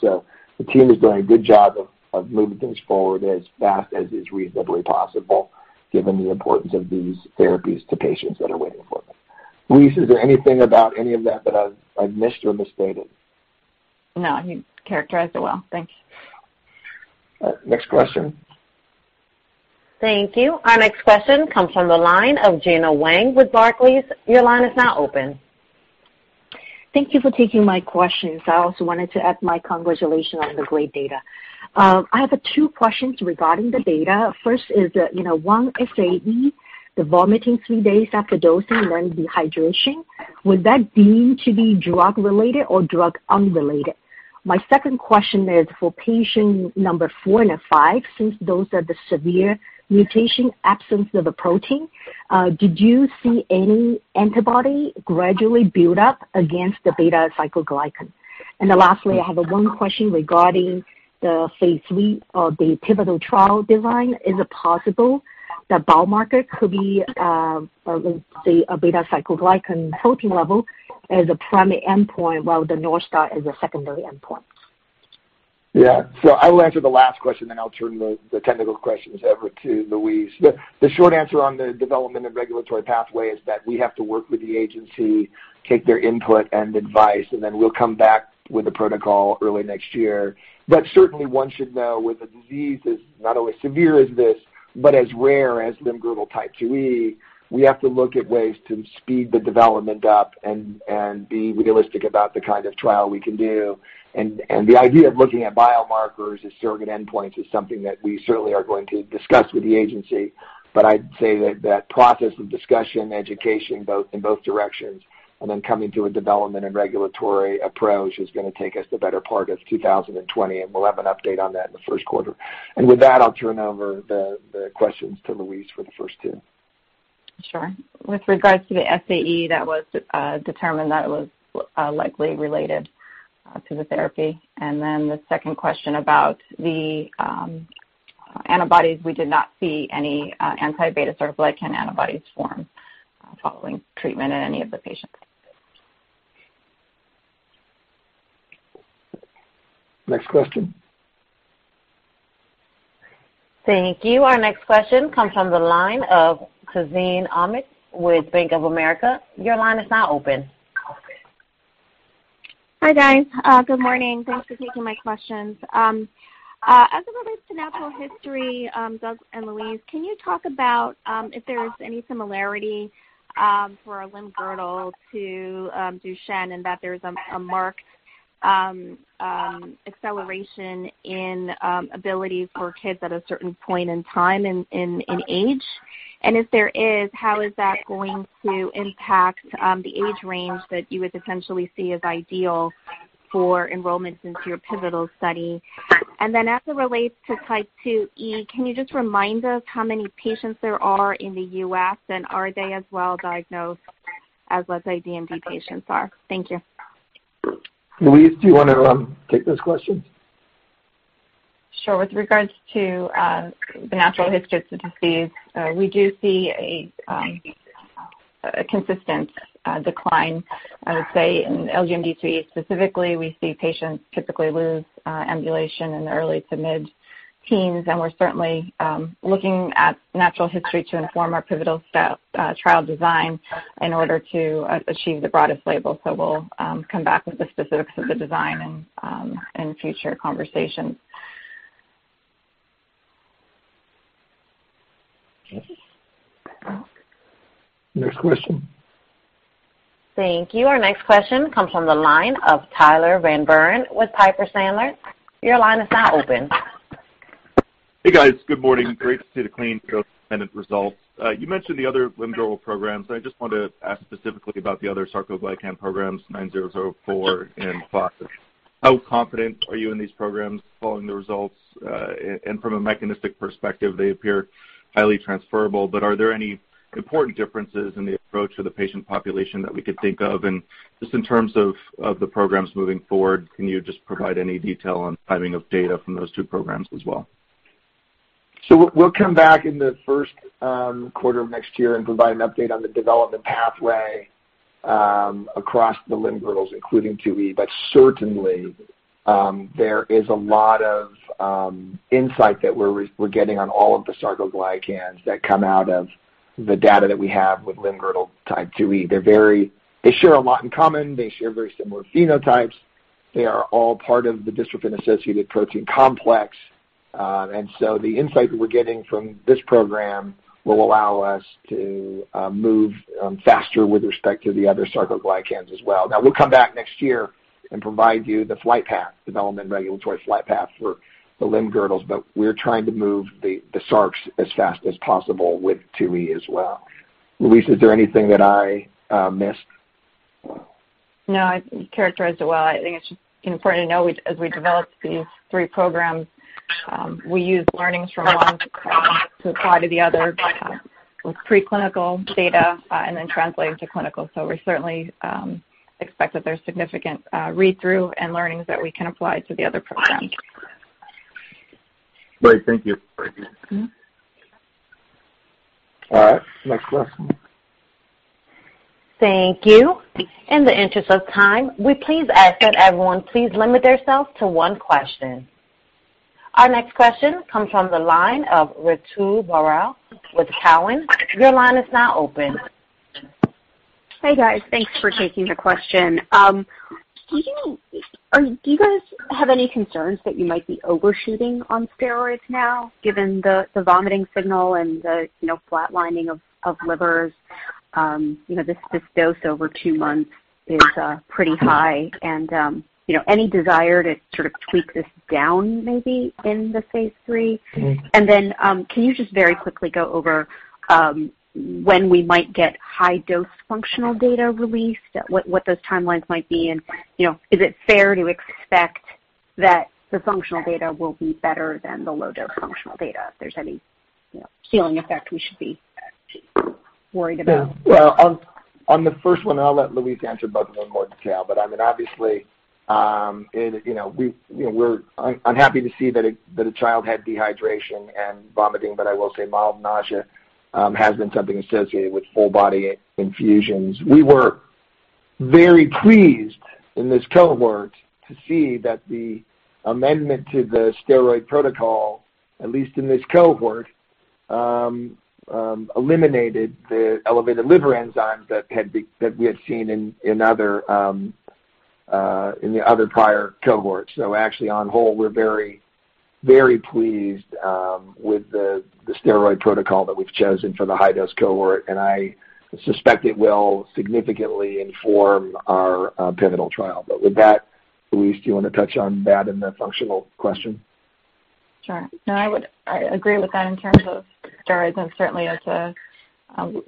The team is doing a good job of moving things forward as fast as is reasonably possible, given the importance of these therapies to patients that are waiting for them. Louise, is there anything about any of that that I've missed or misstated? No, you characterized it well. Thank you. Next question. Thank you. Our next question comes from the line of Gena Wang with Barclays. Your line is now open. Thank you for taking my questions. I also wanted to add my congratulations on the great data. I have two questions regarding the data. First is that one SAE, the vomiting three days after dosing, then dehydration. Was that deemed to be drug-related or drug unrelated? My second question is for patient number four and five, since those are the severe mutation absence of the protein, did you see any antibody gradually build up against the beta-sarcoglycan? Lastly, I have one question regarding the phase III of the pivotal trial design. Is it possible the biomarker could be, let's say, a beta-sarcoglycan protein level as a primary endpoint, while the North Star is a secondary endpoint? Yeah. I will answer the last question, then I'll turn the technical questions over to Louise. The short answer on the development and regulatory pathway is that we have to work with the agency, take their input and advice, and then we'll come back with a protocol early next year. Certainly, one should know with a disease as not only severe as this, but as rare as limb-girdle type 2E, we have to look at ways to speed the development up and be realistic about the kind of trial we can do. The idea of looking at biomarkers as surrogate endpoints is something that we certainly are going to discuss with the agency. I'd say that that process of discussion, education in both directions, and then coming to a development and regulatory approach is going to take us the better part of 2020, and we'll have an update on that in the first quarter. With that, I'll turn over the questions to Louise for the first two. Sure. With regards to the SAE, that was determined that it was likely related to the therapy. The second question about the antibodies, we did not see any anti-beta-sarcoglycan antibodies form following treatment in any of the patients. Next question. Thank you. Our next question comes from the line of Tazeen Ahmad with Bank of America. Your line is now open. Hi, guys. Good morning. Thanks for taking my questions. As it relates to natural history, Doug and Louise, can you talk about if there is any similarity for limb-girdle to Duchenne in that there's a marked acceleration in abilities for kids at a certain point in time in age? If there is, how is that going to impact the age range that you would essentially see as ideal for enrollment into your pivotal study? As it relates to type 2E, can you just remind us how many patients there are in the U.S., and are they as well diagnosed as, let's say, DMD patients are? Thank you. Louise, do you want to take this question? Sure. With regards to the natural history of the disease, we do see a consistent decline. I would say in LGMD2E specifically, we see patients typically lose ambulation in the early to mid-teens. We're certainly looking at natural history to inform our pivotal trial design in order to achieve the broadest label. We'll come back with the specifics of the design in future conversations. Okay. Next question. Thank you. Our next question comes from the line of Tyler Van Buren with Piper Sandler. Your line is now open. Hey, guys. Good morning. Great to see the clean results. You mentioned the other limb-girdle programs. I just wanted to ask specifically about the other sarcoglycan programs, 9004 and 9005. How confident are you in these programs following the results? From a mechanistic perspective, they appear highly transferable, but are there any important differences in the approach to the patient population that we could think of? Just in terms of the programs moving forward, can you just provide any detail on timing of data from those two programs as well? We'll come back in the first quarter of next year and provide an update on the development pathway across the limb-girdle, including 2E. Certainly, there is a lot of insight that we're getting on all of the sarcoglycans that come out of the data that we have with limb-girdle type 2E. They share a lot in common. They share very similar phenotypes. They are all part of the dystrophin-associated protein complex. The insight that we're getting from this program will allow us to move faster with respect to the other sarcoglycans as well. We'll come back next year and provide you the development regulatory flight path for the limb-girdle, but we're trying to move the sarcs as fast as possible with 2E as well. Louise, is there anything that I missed? No, you characterized it well. I think it's just important to know, as we developed these three programs, we use learnings from one to apply to the other with preclinical data and then translate it to clinical. We certainly expect that there's significant read-through and learnings that we can apply to the other programs. Great. Thank you. All right. Next question. Thank you. In the interest of time, we please ask that everyone please limit themselves to one question. Our next question comes from the line of Ritu Baral with Cowen. Your line is now open. Hey, guys. Thanks for taking the question. Do you guys have any concerns that you might be overshooting on steroids now, given the vomiting signal and the flatlining of livers? This dose over two months is pretty high. Any desire to sort of tweak this down maybe in the phase III? Can you just very quickly go over when we might get high dose functional data released, what those timelines might be, and is it fair to expect that the functional data will be better than the low dose functional data, if there's any healing effect we should be worried about? Well, on the first one, I'll let Louise answer about it in more detail. Obviously, I'm happy to see that a child had dehydration and vomiting, but I will say mild nausea has been something associated with full-body infusions. We were very pleased in this cohort to see that the amendment to the steroid protocol, at least in this cohort, eliminated the elevated liver enzymes that we had seen in the other prior cohorts. Actually on whole, we're very pleased with the steroid protocol that we've chosen for the high-dose cohort, and I suspect it will significantly inform our pivotal trial. With that, Louise, do you want to touch on that and the functional question? Sure. No, I would agree with that in terms of steroids, and certainly as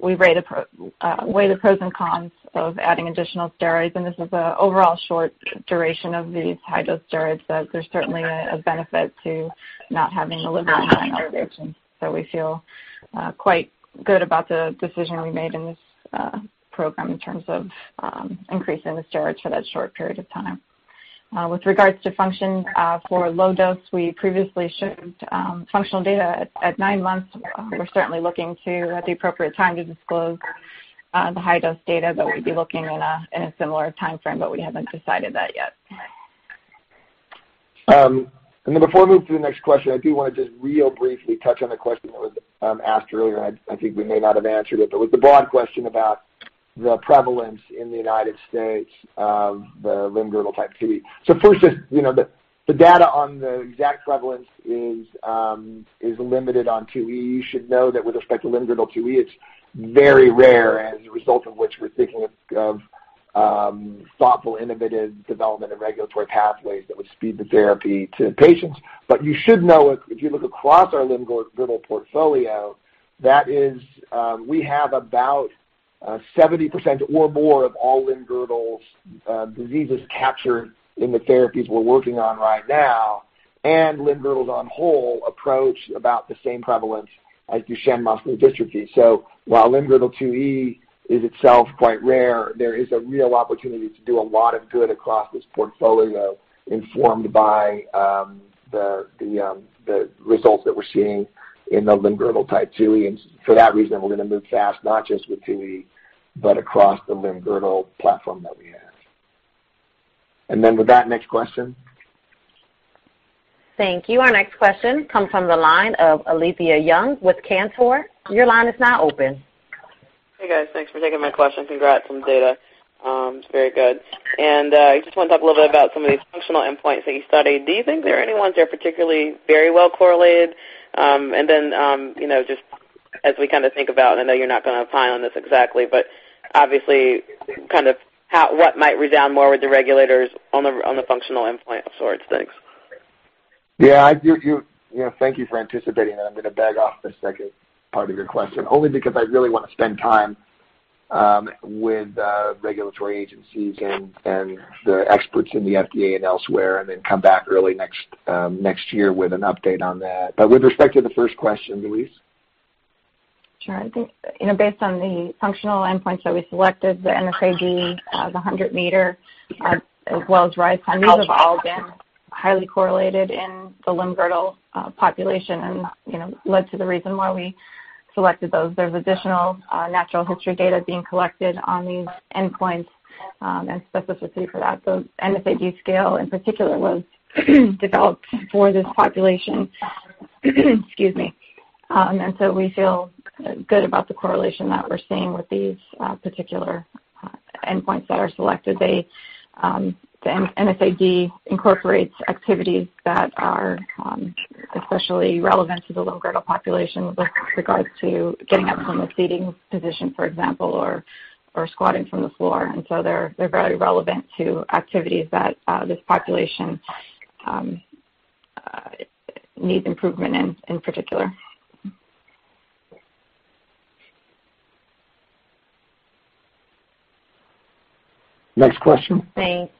we weigh the pros and cons of adding additional steroids, and this is an overall short duration of these high-dose steroids, so there's certainly a benefit to not having the. We feel quite good about the decision we made in this program in terms of increasing the steroids for that short period of time. With regards to function, for low dose, we previously showed functional data at nine months. We're certainly looking to, at the appropriate time, to disclose the high dose data, but we'd be looking in a similar timeframe, but we haven't decided that yet. Before I move to the next question, I do want to just real briefly touch on the question that was asked earlier, and I think we may not have answered it. It was the broad question about the prevalence in the United States of the limb-girdle type 2E. First, the data on the exact prevalence is limited on 2E. You should know that with respect to limb-girdle 2E, it's very rare, and as a result of which we're thinking of thoughtful, innovative development and regulatory pathways that would speed the therapy to patients. You should know, if you look across our limb-girdle portfolio, that we have about 70% or more of all limb-girdle diseases captured in the therapies we're working on right now, and limb-girdles on whole approach about the same prevalence as Duchenne muscular dystrophy. While limb-girdle 2E is itself quite rare, there is a real opportunity to do a lot of good across this portfolio informed by the results that we're seeing in the limb-girdle type 2E. For that reason, we're going to move fast, not just with 2E, but across the limb-girdle platform that we have. With that, next question. Thank you. Our next question comes from the line of Alethia Young with Cantor. Your line is now open. Hey, guys. Thanks for taking my question. Congrats on the data. It's very good. I just want to talk a little bit about some of these functional endpoints that you studied. Do you think there are any ones that are particularly very well correlated? Just as we think about, and I know you're not going to opine on this exactly, but obviously what might resound more with the regulators on the functional endpoint sorts? Thanks. Yeah. Thank you for anticipating that. I'm going to beg off the second part of your question, only because I really want to spend time with regulatory agencies and the experts in the FDA and elsewhere, and then come back early next year with an update on that. With respect to the first question, Louise? Sure. I think, based on the functional endpoints that we selected, the NSAD, the 100 m, as well as rise from chair, these have all been highly correlated in the limb-girdle population and led to the reason why we selected those. There's additional natural history data being collected on these endpoints, and specificity for that. The NSAD scale in particular was developed for this population. Excuse me. We feel good about the correlation that we're seeing with these particular endpoints that are selected. The NSAD incorporates activities that are especially relevant to the limb-girdle population with regards to getting up from a seating position, for example, or squatting from the floor. They're very relevant to activities that this population needs improvement in particular. Next question. Thank you.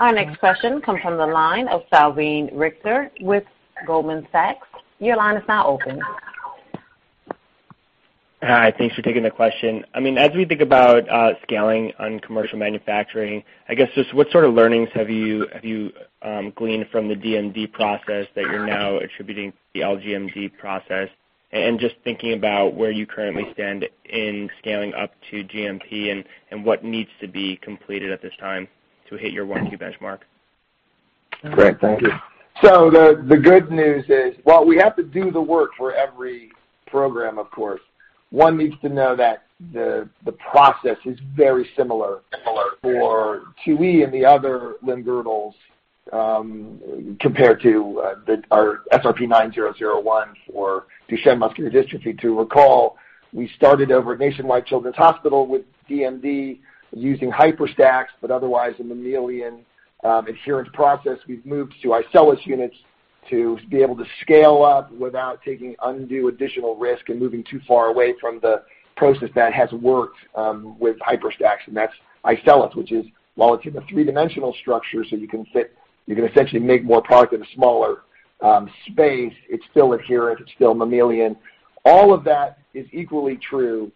Our next question comes from the line of Salveen Richter with Goldman Sachs. Your line is now open. Hi. Thanks for taking the question. As we think about scaling on commercial manufacturing, I guess just what sort of learnings have you gleaned from the DMD process that you're now attributing to the LGMD process, and just thinking about where you currently stand in scaling up to GMP and what needs to be completed at this time to hit your [1Q] benchmark? Great. Thank you. The good news is, while we have to do the work for every program, of course, one needs to know that the process is very similar for 2E and the other limb-girdles compared to our SRP-9001 for Duchenne muscular dystrophy. To recall, we started over at Nationwide Children's Hospital with DMD using HYPERStacks, but otherwise a mammalian adherent process. We've moved to iCELLis units to be able to scale up without taking undue additional risk and moving too far away from the process that has worked with HYPERStacks. That's iCELLis, which is, while it's in a three-dimensional structure so you can essentially make more product in a smaller space, it's still adherent, it's still mammalian. All of that is equally true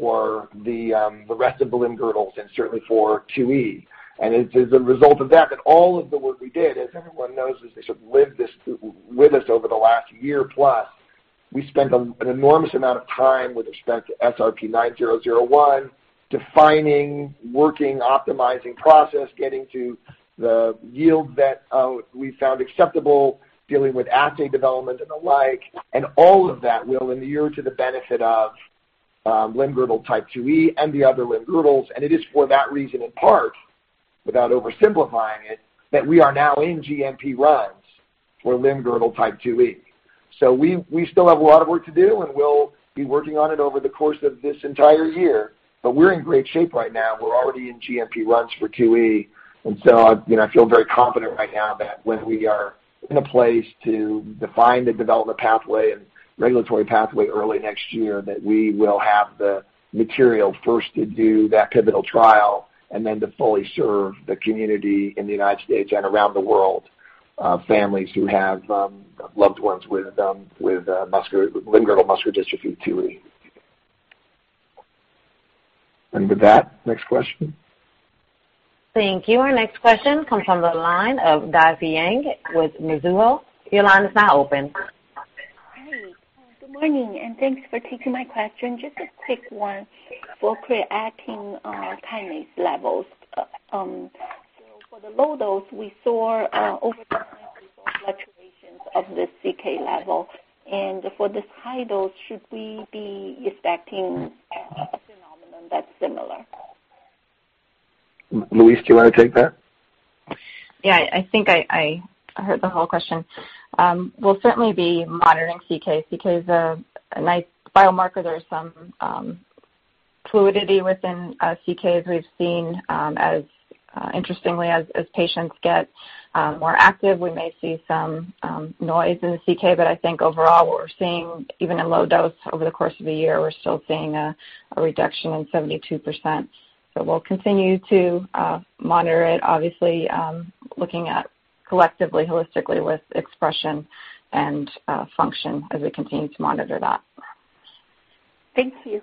for the rest of the limb-girdles, and certainly for 2E. It is a result of that all of the work we did, as everyone knows this, they sort of lived this with us over the last year plus, we spent an enormous amount of time with respect to SRP-9001 defining, working, optimizing process, getting to the yield that we found acceptable, dealing with assay development and the like. All of that will inure to the benefit of limb-girdle type 2E and the other limb-girdles. It is for that reason, in part, without oversimplifying it, that we are now in GMP runs for limb-girdle type 2E. We still have a lot of work to do, and we'll be working on it over the course of this entire year, but we're in great shape right now. We're already in GMP runs for 2E. I feel very confident right now that when we are in a place to define the development pathway and regulatory pathway early next year, that we will have the material first to do that pivotal trial and then to fully serve the community in the United States and around the world, families who have loved ones with limb-girdle muscular dystrophy 2E. With that, next question. Thank you. Our next question comes from the line of Difei Yang with Mizuho. Your line is now open. Good morning. Thanks for taking my question. Just a quick one for creatine kinase levels. For the low dose, we saw over time fluctuations of the CK level. For this high dose, should we be expecting a phenomenon that's similar? Louise, do you want to take that? Yeah. I think I heard the whole question. We'll certainly be monitoring CKs because of a nice biomarker. There's some fluidity within CKs. We've seen, interestingly, as patients get more active, we may see some noise in the CK, I think overall, what we're seeing, even in low dose over the course of a year, we're still seeing a reduction in 72%. We'll continue to monitor it, obviously, looking at collectively, holistically with expression and function as we continue to monitor that. Thank you.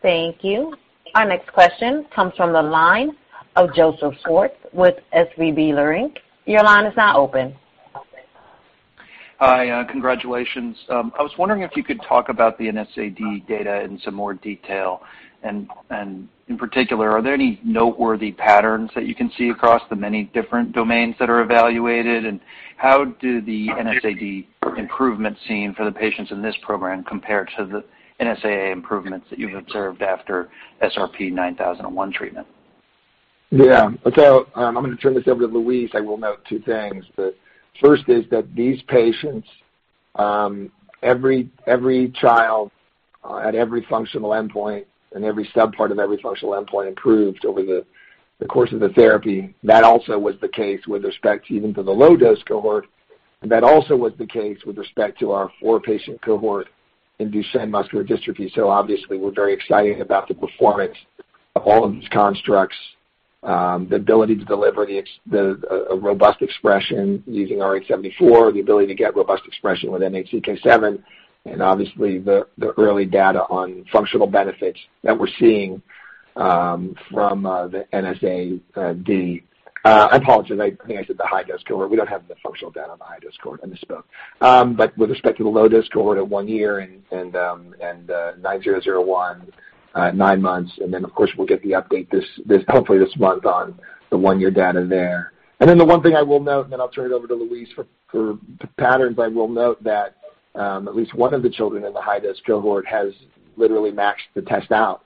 Thank you. Our next question comes from the line of Joseph Schwartz with SVB Leerink. Your line is now open. Hi. Congratulations. I was wondering if you could talk about the NSAD data in some more detail. In particular, are there any noteworthy patterns that you can see across the many different domains that are evaluated? How do the NSAD improvement seen for the patients in this program compare to the NSAA improvements that you've observed after SRP-9001 treatment? I'm going to turn this over to Louise. I will note two things. The first is that these patients, every child at every functional endpoint and every sub part of every functional endpoint improved over the course of the therapy. That also was the case with respect even to the low-dose cohort. That also was the case with respect to our four patient cohort in Duchenne muscular dystrophy. Obviously, we're very excited about the performance of all of these constructs, the ability to deliver a robust expression using rh74, the ability to get robust expression with MHCK7, and obviously, the early data on functional benefits that we're seeing from the NSAD. I apologize. I think I said the high-dose cohort. We don't have the functional data on the high dose cohort. I misspoke. With respect to the low-dose cohort at one year and SRP-9001 nine months, and then, of course, we'll get the update hopefully this month on the one-year data there. The one thing I will note, and then I'll turn it over to Louise for patterns, I will note that at least one of the children in the high-dose cohort has literally maxed the test out.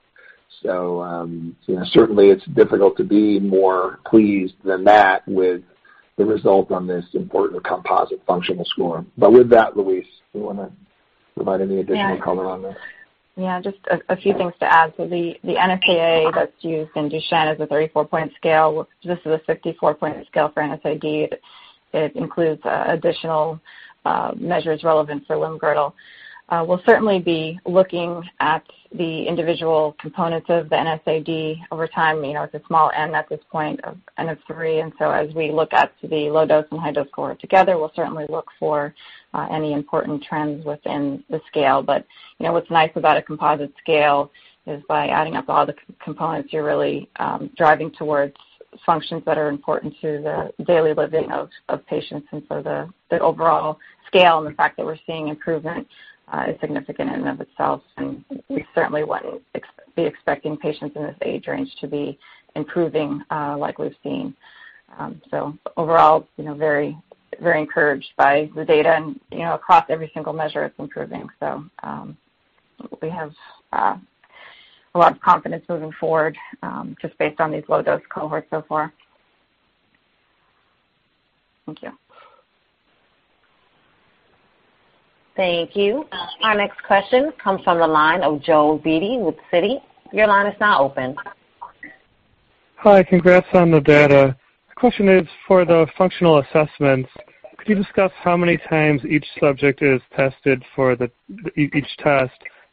Certainly it's difficult to be more pleased than that with the result on this important composite functional score. With that, Louise, do you want to provide any additional color on this? Yeah. Just a few things to add. The NSAA that's used in Duchenne is a 34-point scale. This is a 54-point scale for NSAD. It includes additional measures relevant for limb-girdle. We'll certainly be looking at the individual components of the NSAD over time. It's a small N at this point of N of 3. As we look at the low dose and high dose cohort together, we'll certainly look for any important trends within the scale. What's nice about a composite scale is by adding up all the components, you're really driving towards functions that are important to the daily living of patients. The overall scale and the fact that we're seeing improvement is significant in and of itself, and we certainly wouldn't be expecting patients in this age range to be improving like we've seen. Overall, very encouraged by the data, and across every single measure it's improving. We have a lot of confidence moving forward, just based on these low dose cohorts so far. Thank you. Thank you. Our next question comes from the line of Joel Beatty with Citi. Your line is now open. Hi. Congrats on the data. The question is for the functional assessments. Could you discuss how many times each subject is tested for each test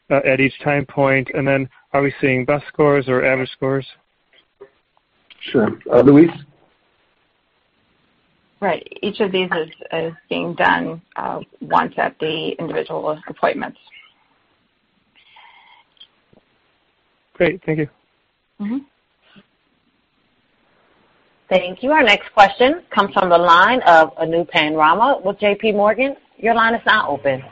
at each time point? Are we seeing best scores or average scores? Sure. Louise? Right. Each of these is being done once at the individual appointments. Great. Thank you. Thank you. Our next question comes from the line of Anupam Rama with JPMorgan. Your line is now open.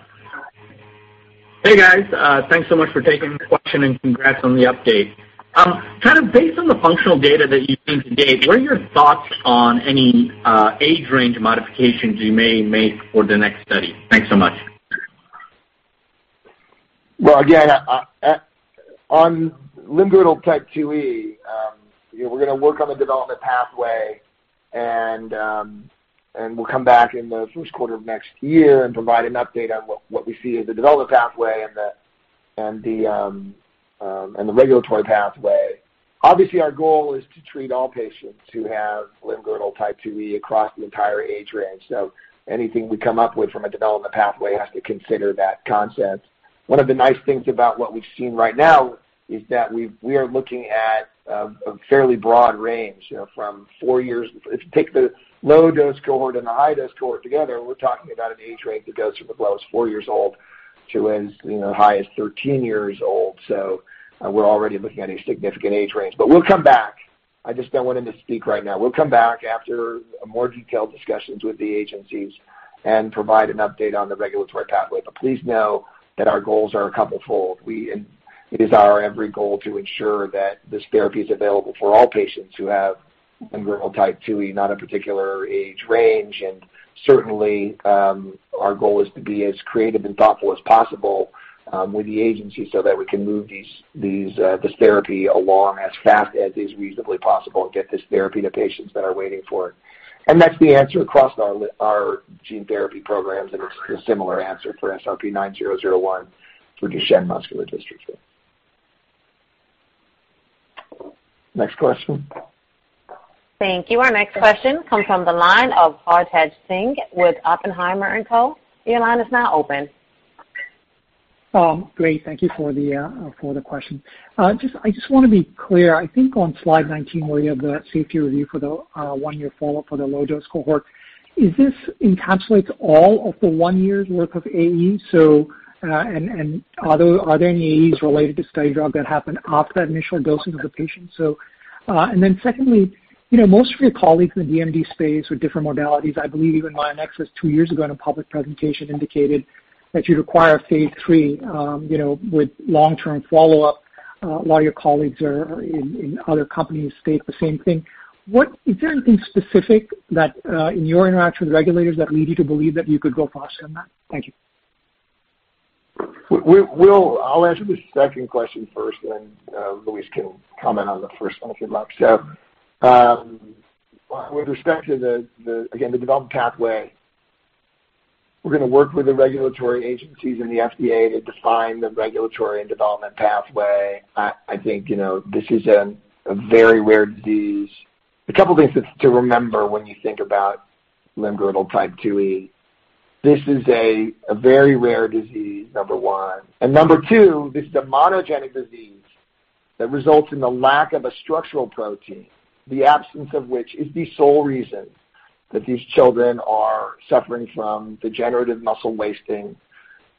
Hey, guys. Thanks so much for taking the question, and congrats on the update. Kind of based on the functional data that you've seen to date, what are your thoughts on any age range modifications you may make for the next study? Thanks so much. Again, on limb-girdle type 2E, we're going to work on the development pathway, and we'll come back in the first quarter of next year and provide an update on what we see as the development pathway and the regulatory pathway. Obviously, our goal is to treat all patients who have limb-girdle type 2E across the entire age range. Anything we come up with from a development pathway has to consider that concept. One of the nice things about what we've seen right now is that we are looking at a fairly broad range. If you take the low-dose cohort and the high-dose cohort together, we're talking about an age range that goes from as low as four years old to as high as 13 years old. We're already looking at a significant age range. We'll come back. I just don't want him to speak right now. We'll come back after more detailed discussions with the agencies and provide an update on the regulatory pathway. Please know that our goals are a couple-fold. It is our every goal to ensure that this therapy is available for all patients who have limb-girdle type 2E, not a particular age range. Certainly, our goal is to be as creative and thoughtful as possible with the agency so that we can move this therapy along as fast as is reasonably possible and get this therapy to patients that are waiting for it. That's the answer across our gene therapy programs, and it's a similar answer for SRP-9001 for Duchenne muscular dystrophy. Next question. Thank you. Our next question comes from the line of Hartaj Singh with Oppenheimer & Co. Your line is now open. Great. Thank you for the question. I just want to be clear. I think on slide 19, where you have that safety review for the one-year follow-up for the low-dose cohort, does this encapsulate all of the one year's worth of AEs? Are there any AEs related to study drug that happened after that initial dosing of the patient? Secondly, most of your colleagues in the DMD space with different modalities, I believe even Myonexus two years ago in a public presentation, indicated that you require phase III with long-term follow-up, while your colleagues in other companies state the same thing. Is there anything specific that, in your interaction with regulators, that lead you to believe that you could go faster than that? Thank you. I'll answer the second question first, then Louise can comment on the first one if you'd like. With respect to, again, the development pathway, we're going to work with the regulatory agencies and the FDA to define the regulatory and development pathway. I think this is a very rare disease. A couple of things to remember when you think about limb-girdle type 2E. This is a very rare disease, number one, and number two, this is a monogenic disease that results in the lack of a structural protein, the absence of which is the sole reason that these children are suffering from degenerative muscle wasting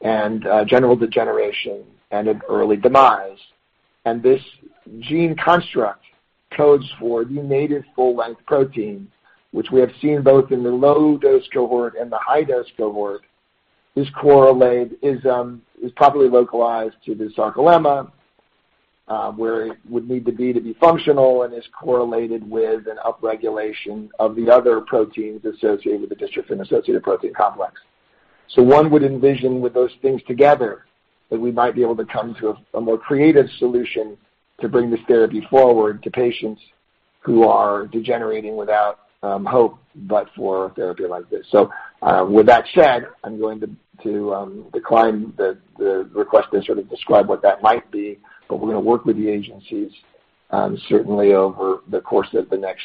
and general degeneration and an early demise. This gene construct codes for the native full-length protein, which we have seen both in the low-dose cohort and the high-dose cohort, is properly localized to the sarcolemma, where it would need to be to be functional, and is correlated with an upregulation of the other proteins associated with the dystrophin-associated protein complex. One would envision with those things together, that we might be able to come to a more creative solution to bring this therapy forward to patients who are degenerating without hope, but for a therapy like this. With that said, I'm going to decline the request to sort of describe what that might be. We're going to work with the agencies, certainly over the course of the next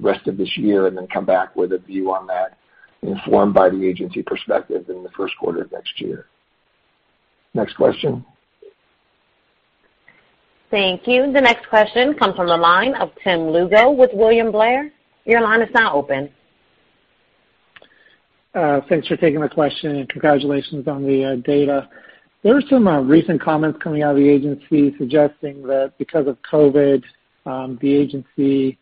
rest of this year, and then come back with a view on that, informed by the agency perspective in the first quarter of next year. Next question. Thank you. The next question comes from the line of Tim Lugo with William Blair. Your line is now open. Thanks for taking my question, and congratulations on the data. There were some recent comments coming out of the agency suggesting that because of COVID, the agency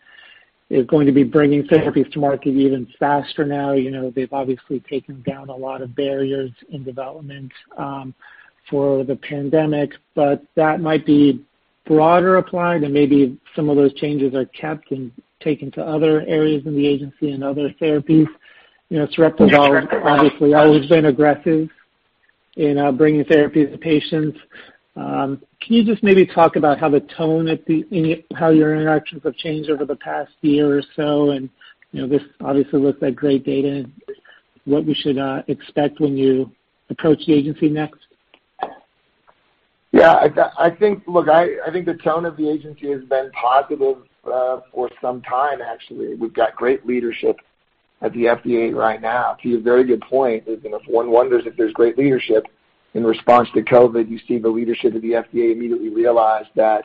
is going to be bringing therapies to market even faster now. They've obviously taken down a lot of barriers in development for the pandemic, but that might be broader applied, and maybe some of those changes are kept and taken to other areas in the agency and other therapies. Sarepta's obviously always been aggressive in bringing therapies to patients. Can you just maybe talk about how your interactions have changed over the past year or so? This obviously looks like great data, and what we should expect when you approach the agency next. Yeah, I think the tone of the agency has been positive for some time, actually. We've got great leadership at the FDA right now. To your very good point, if one wonders if there's great leadership in response to COVID, you see the leadership of the FDA immediately realized that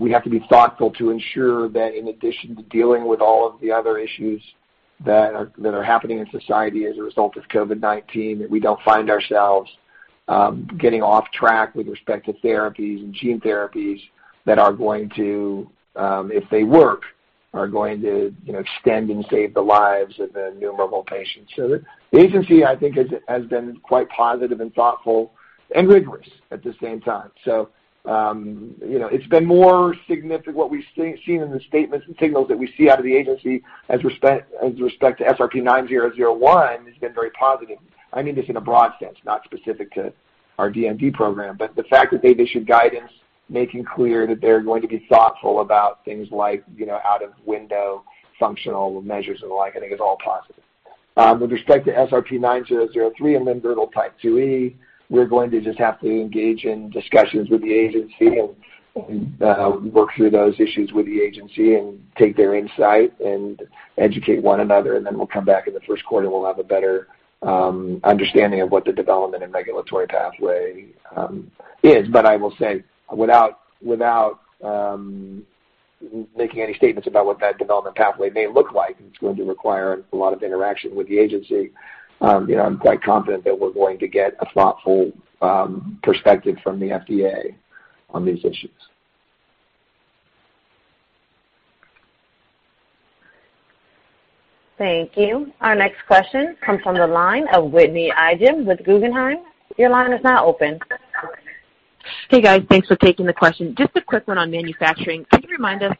we have to be thoughtful to ensure that in addition to dealing with all of the other issues that are happening in society as a result of COVID-19, that we don't find ourselves getting off track with respect to therapies and gene therapies that are going to, if they work, are going to extend and save the lives of innumerable patients. The agency, I think, has been quite positive and thoughtful and rigorous at the same time. It's been more significant what we've seen in the statements and signals that we see out of the Agency with respect to SRP-9001 has been very positive. I mean this in a broad sense, not specific to our DMD program. The fact that they've issued guidance making clear that they're going to be thoughtful about things like out-of-window functional measures and the like, I think is all positive. With respect to SRP-9003 and limb-girdle type 2E, we're going to just have to engage in discussions with the Agency and work through those issues with the Agency and take their insight and educate one another, and then we'll come back in the first quarter, and we'll have a better understanding of what the development and regulatory pathway is. I will say, without making any statements about what that development pathway may look like, it's going to require a lot of interaction with the agency. I'm quite confident that we're going to get a thoughtful perspective from the FDA on these issues. Thank you. Our next question comes from the line of Whitney Ijem with Guggenheim. Your line is now open. Hey, guys. Thanks for taking the question. Just a quick one on manufacturing. Can you remind us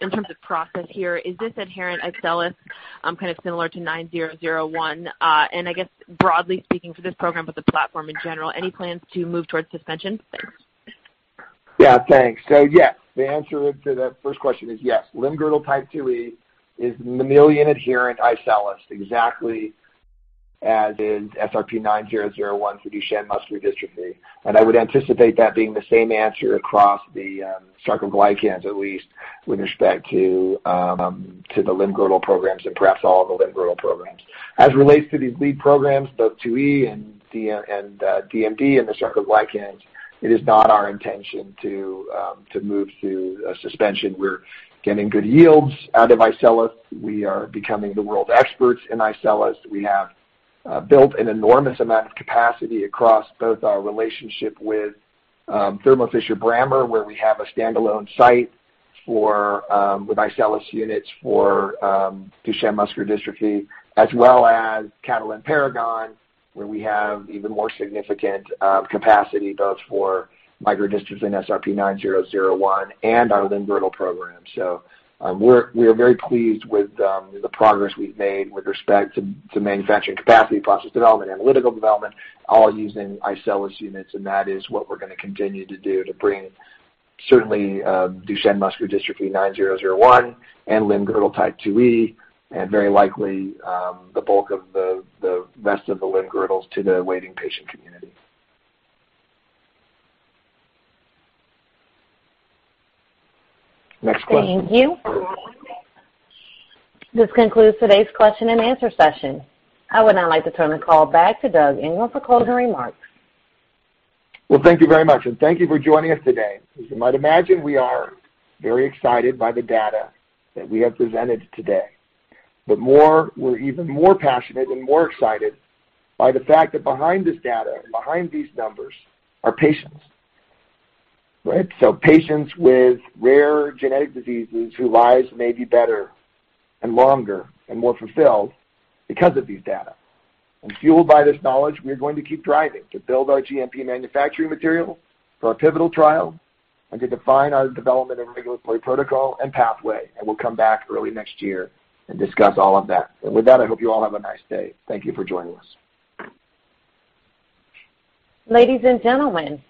in terms of process here, is this adherent iCELLis similar to nine zero zero one? I guess broadly speaking for this program, but the platform in general, any plans to move towards suspension? Thanks. Yeah, thanks. Yes, the answer to that first question is yes. limb-girdle type 2E is mammalian adherent iCELLis exactly as is SRP-9001 for Duchenne muscular dystrophy. I would anticipate that being the same answer across the sarcoglycans, at least with respect to the limb-girdle programs and perhaps all of the limb-girdle programs. As it relates to these lead programs, both 2E and DMD and the sarcoglycans, it is not our intention to move to a suspension. We're getting good yields out of iCELLis. We are becoming the world experts in iCELLis. We have built an enormous amount of capacity across both our relationship with Thermo Fisher Brammer, where we have a standalone site with iCELLis units for Duchenne muscular dystrophy, as well as Catalent Paragon, where we have even more significant capacity both for micro-dystrophin SRP-9001 and our limb-girdle program. We are very pleased with the progress we've made with respect to manufacturing capacity, process development, analytical development, all using iCELLis units. That is what we're going to continue to do to bring certainly Duchenne muscular dystrophy SRP-9001 and limb-girdle type 2E, and very likely the bulk of the rest of the limb girdles to the waiting patient community. Next question. Thank you. This concludes today's question and answer session. I would now like to turn the call back to Doug Ingram for closing remarks. Well, thank you very much. Thank you for joining us today. As you might imagine, we are very excited by the data that we have presented today. We're even more passionate and more excited by the fact that behind this data and behind these numbers are patients, right? Patients with rare genetic diseases whose lives may be better and longer and more fulfilled because of these data. Fueled by this knowledge, we are going to keep driving to build our GMP manufacturing material for our pivotal trial and to define our development and regulatory protocol and pathway. We'll come back early next year and discuss all of that. With that, I hope you all have a nice day. Thank you for joining us. Ladies and gentlemen,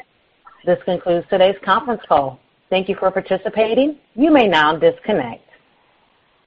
this concludes today's conference call. Thank you for participating. You may now disconnect.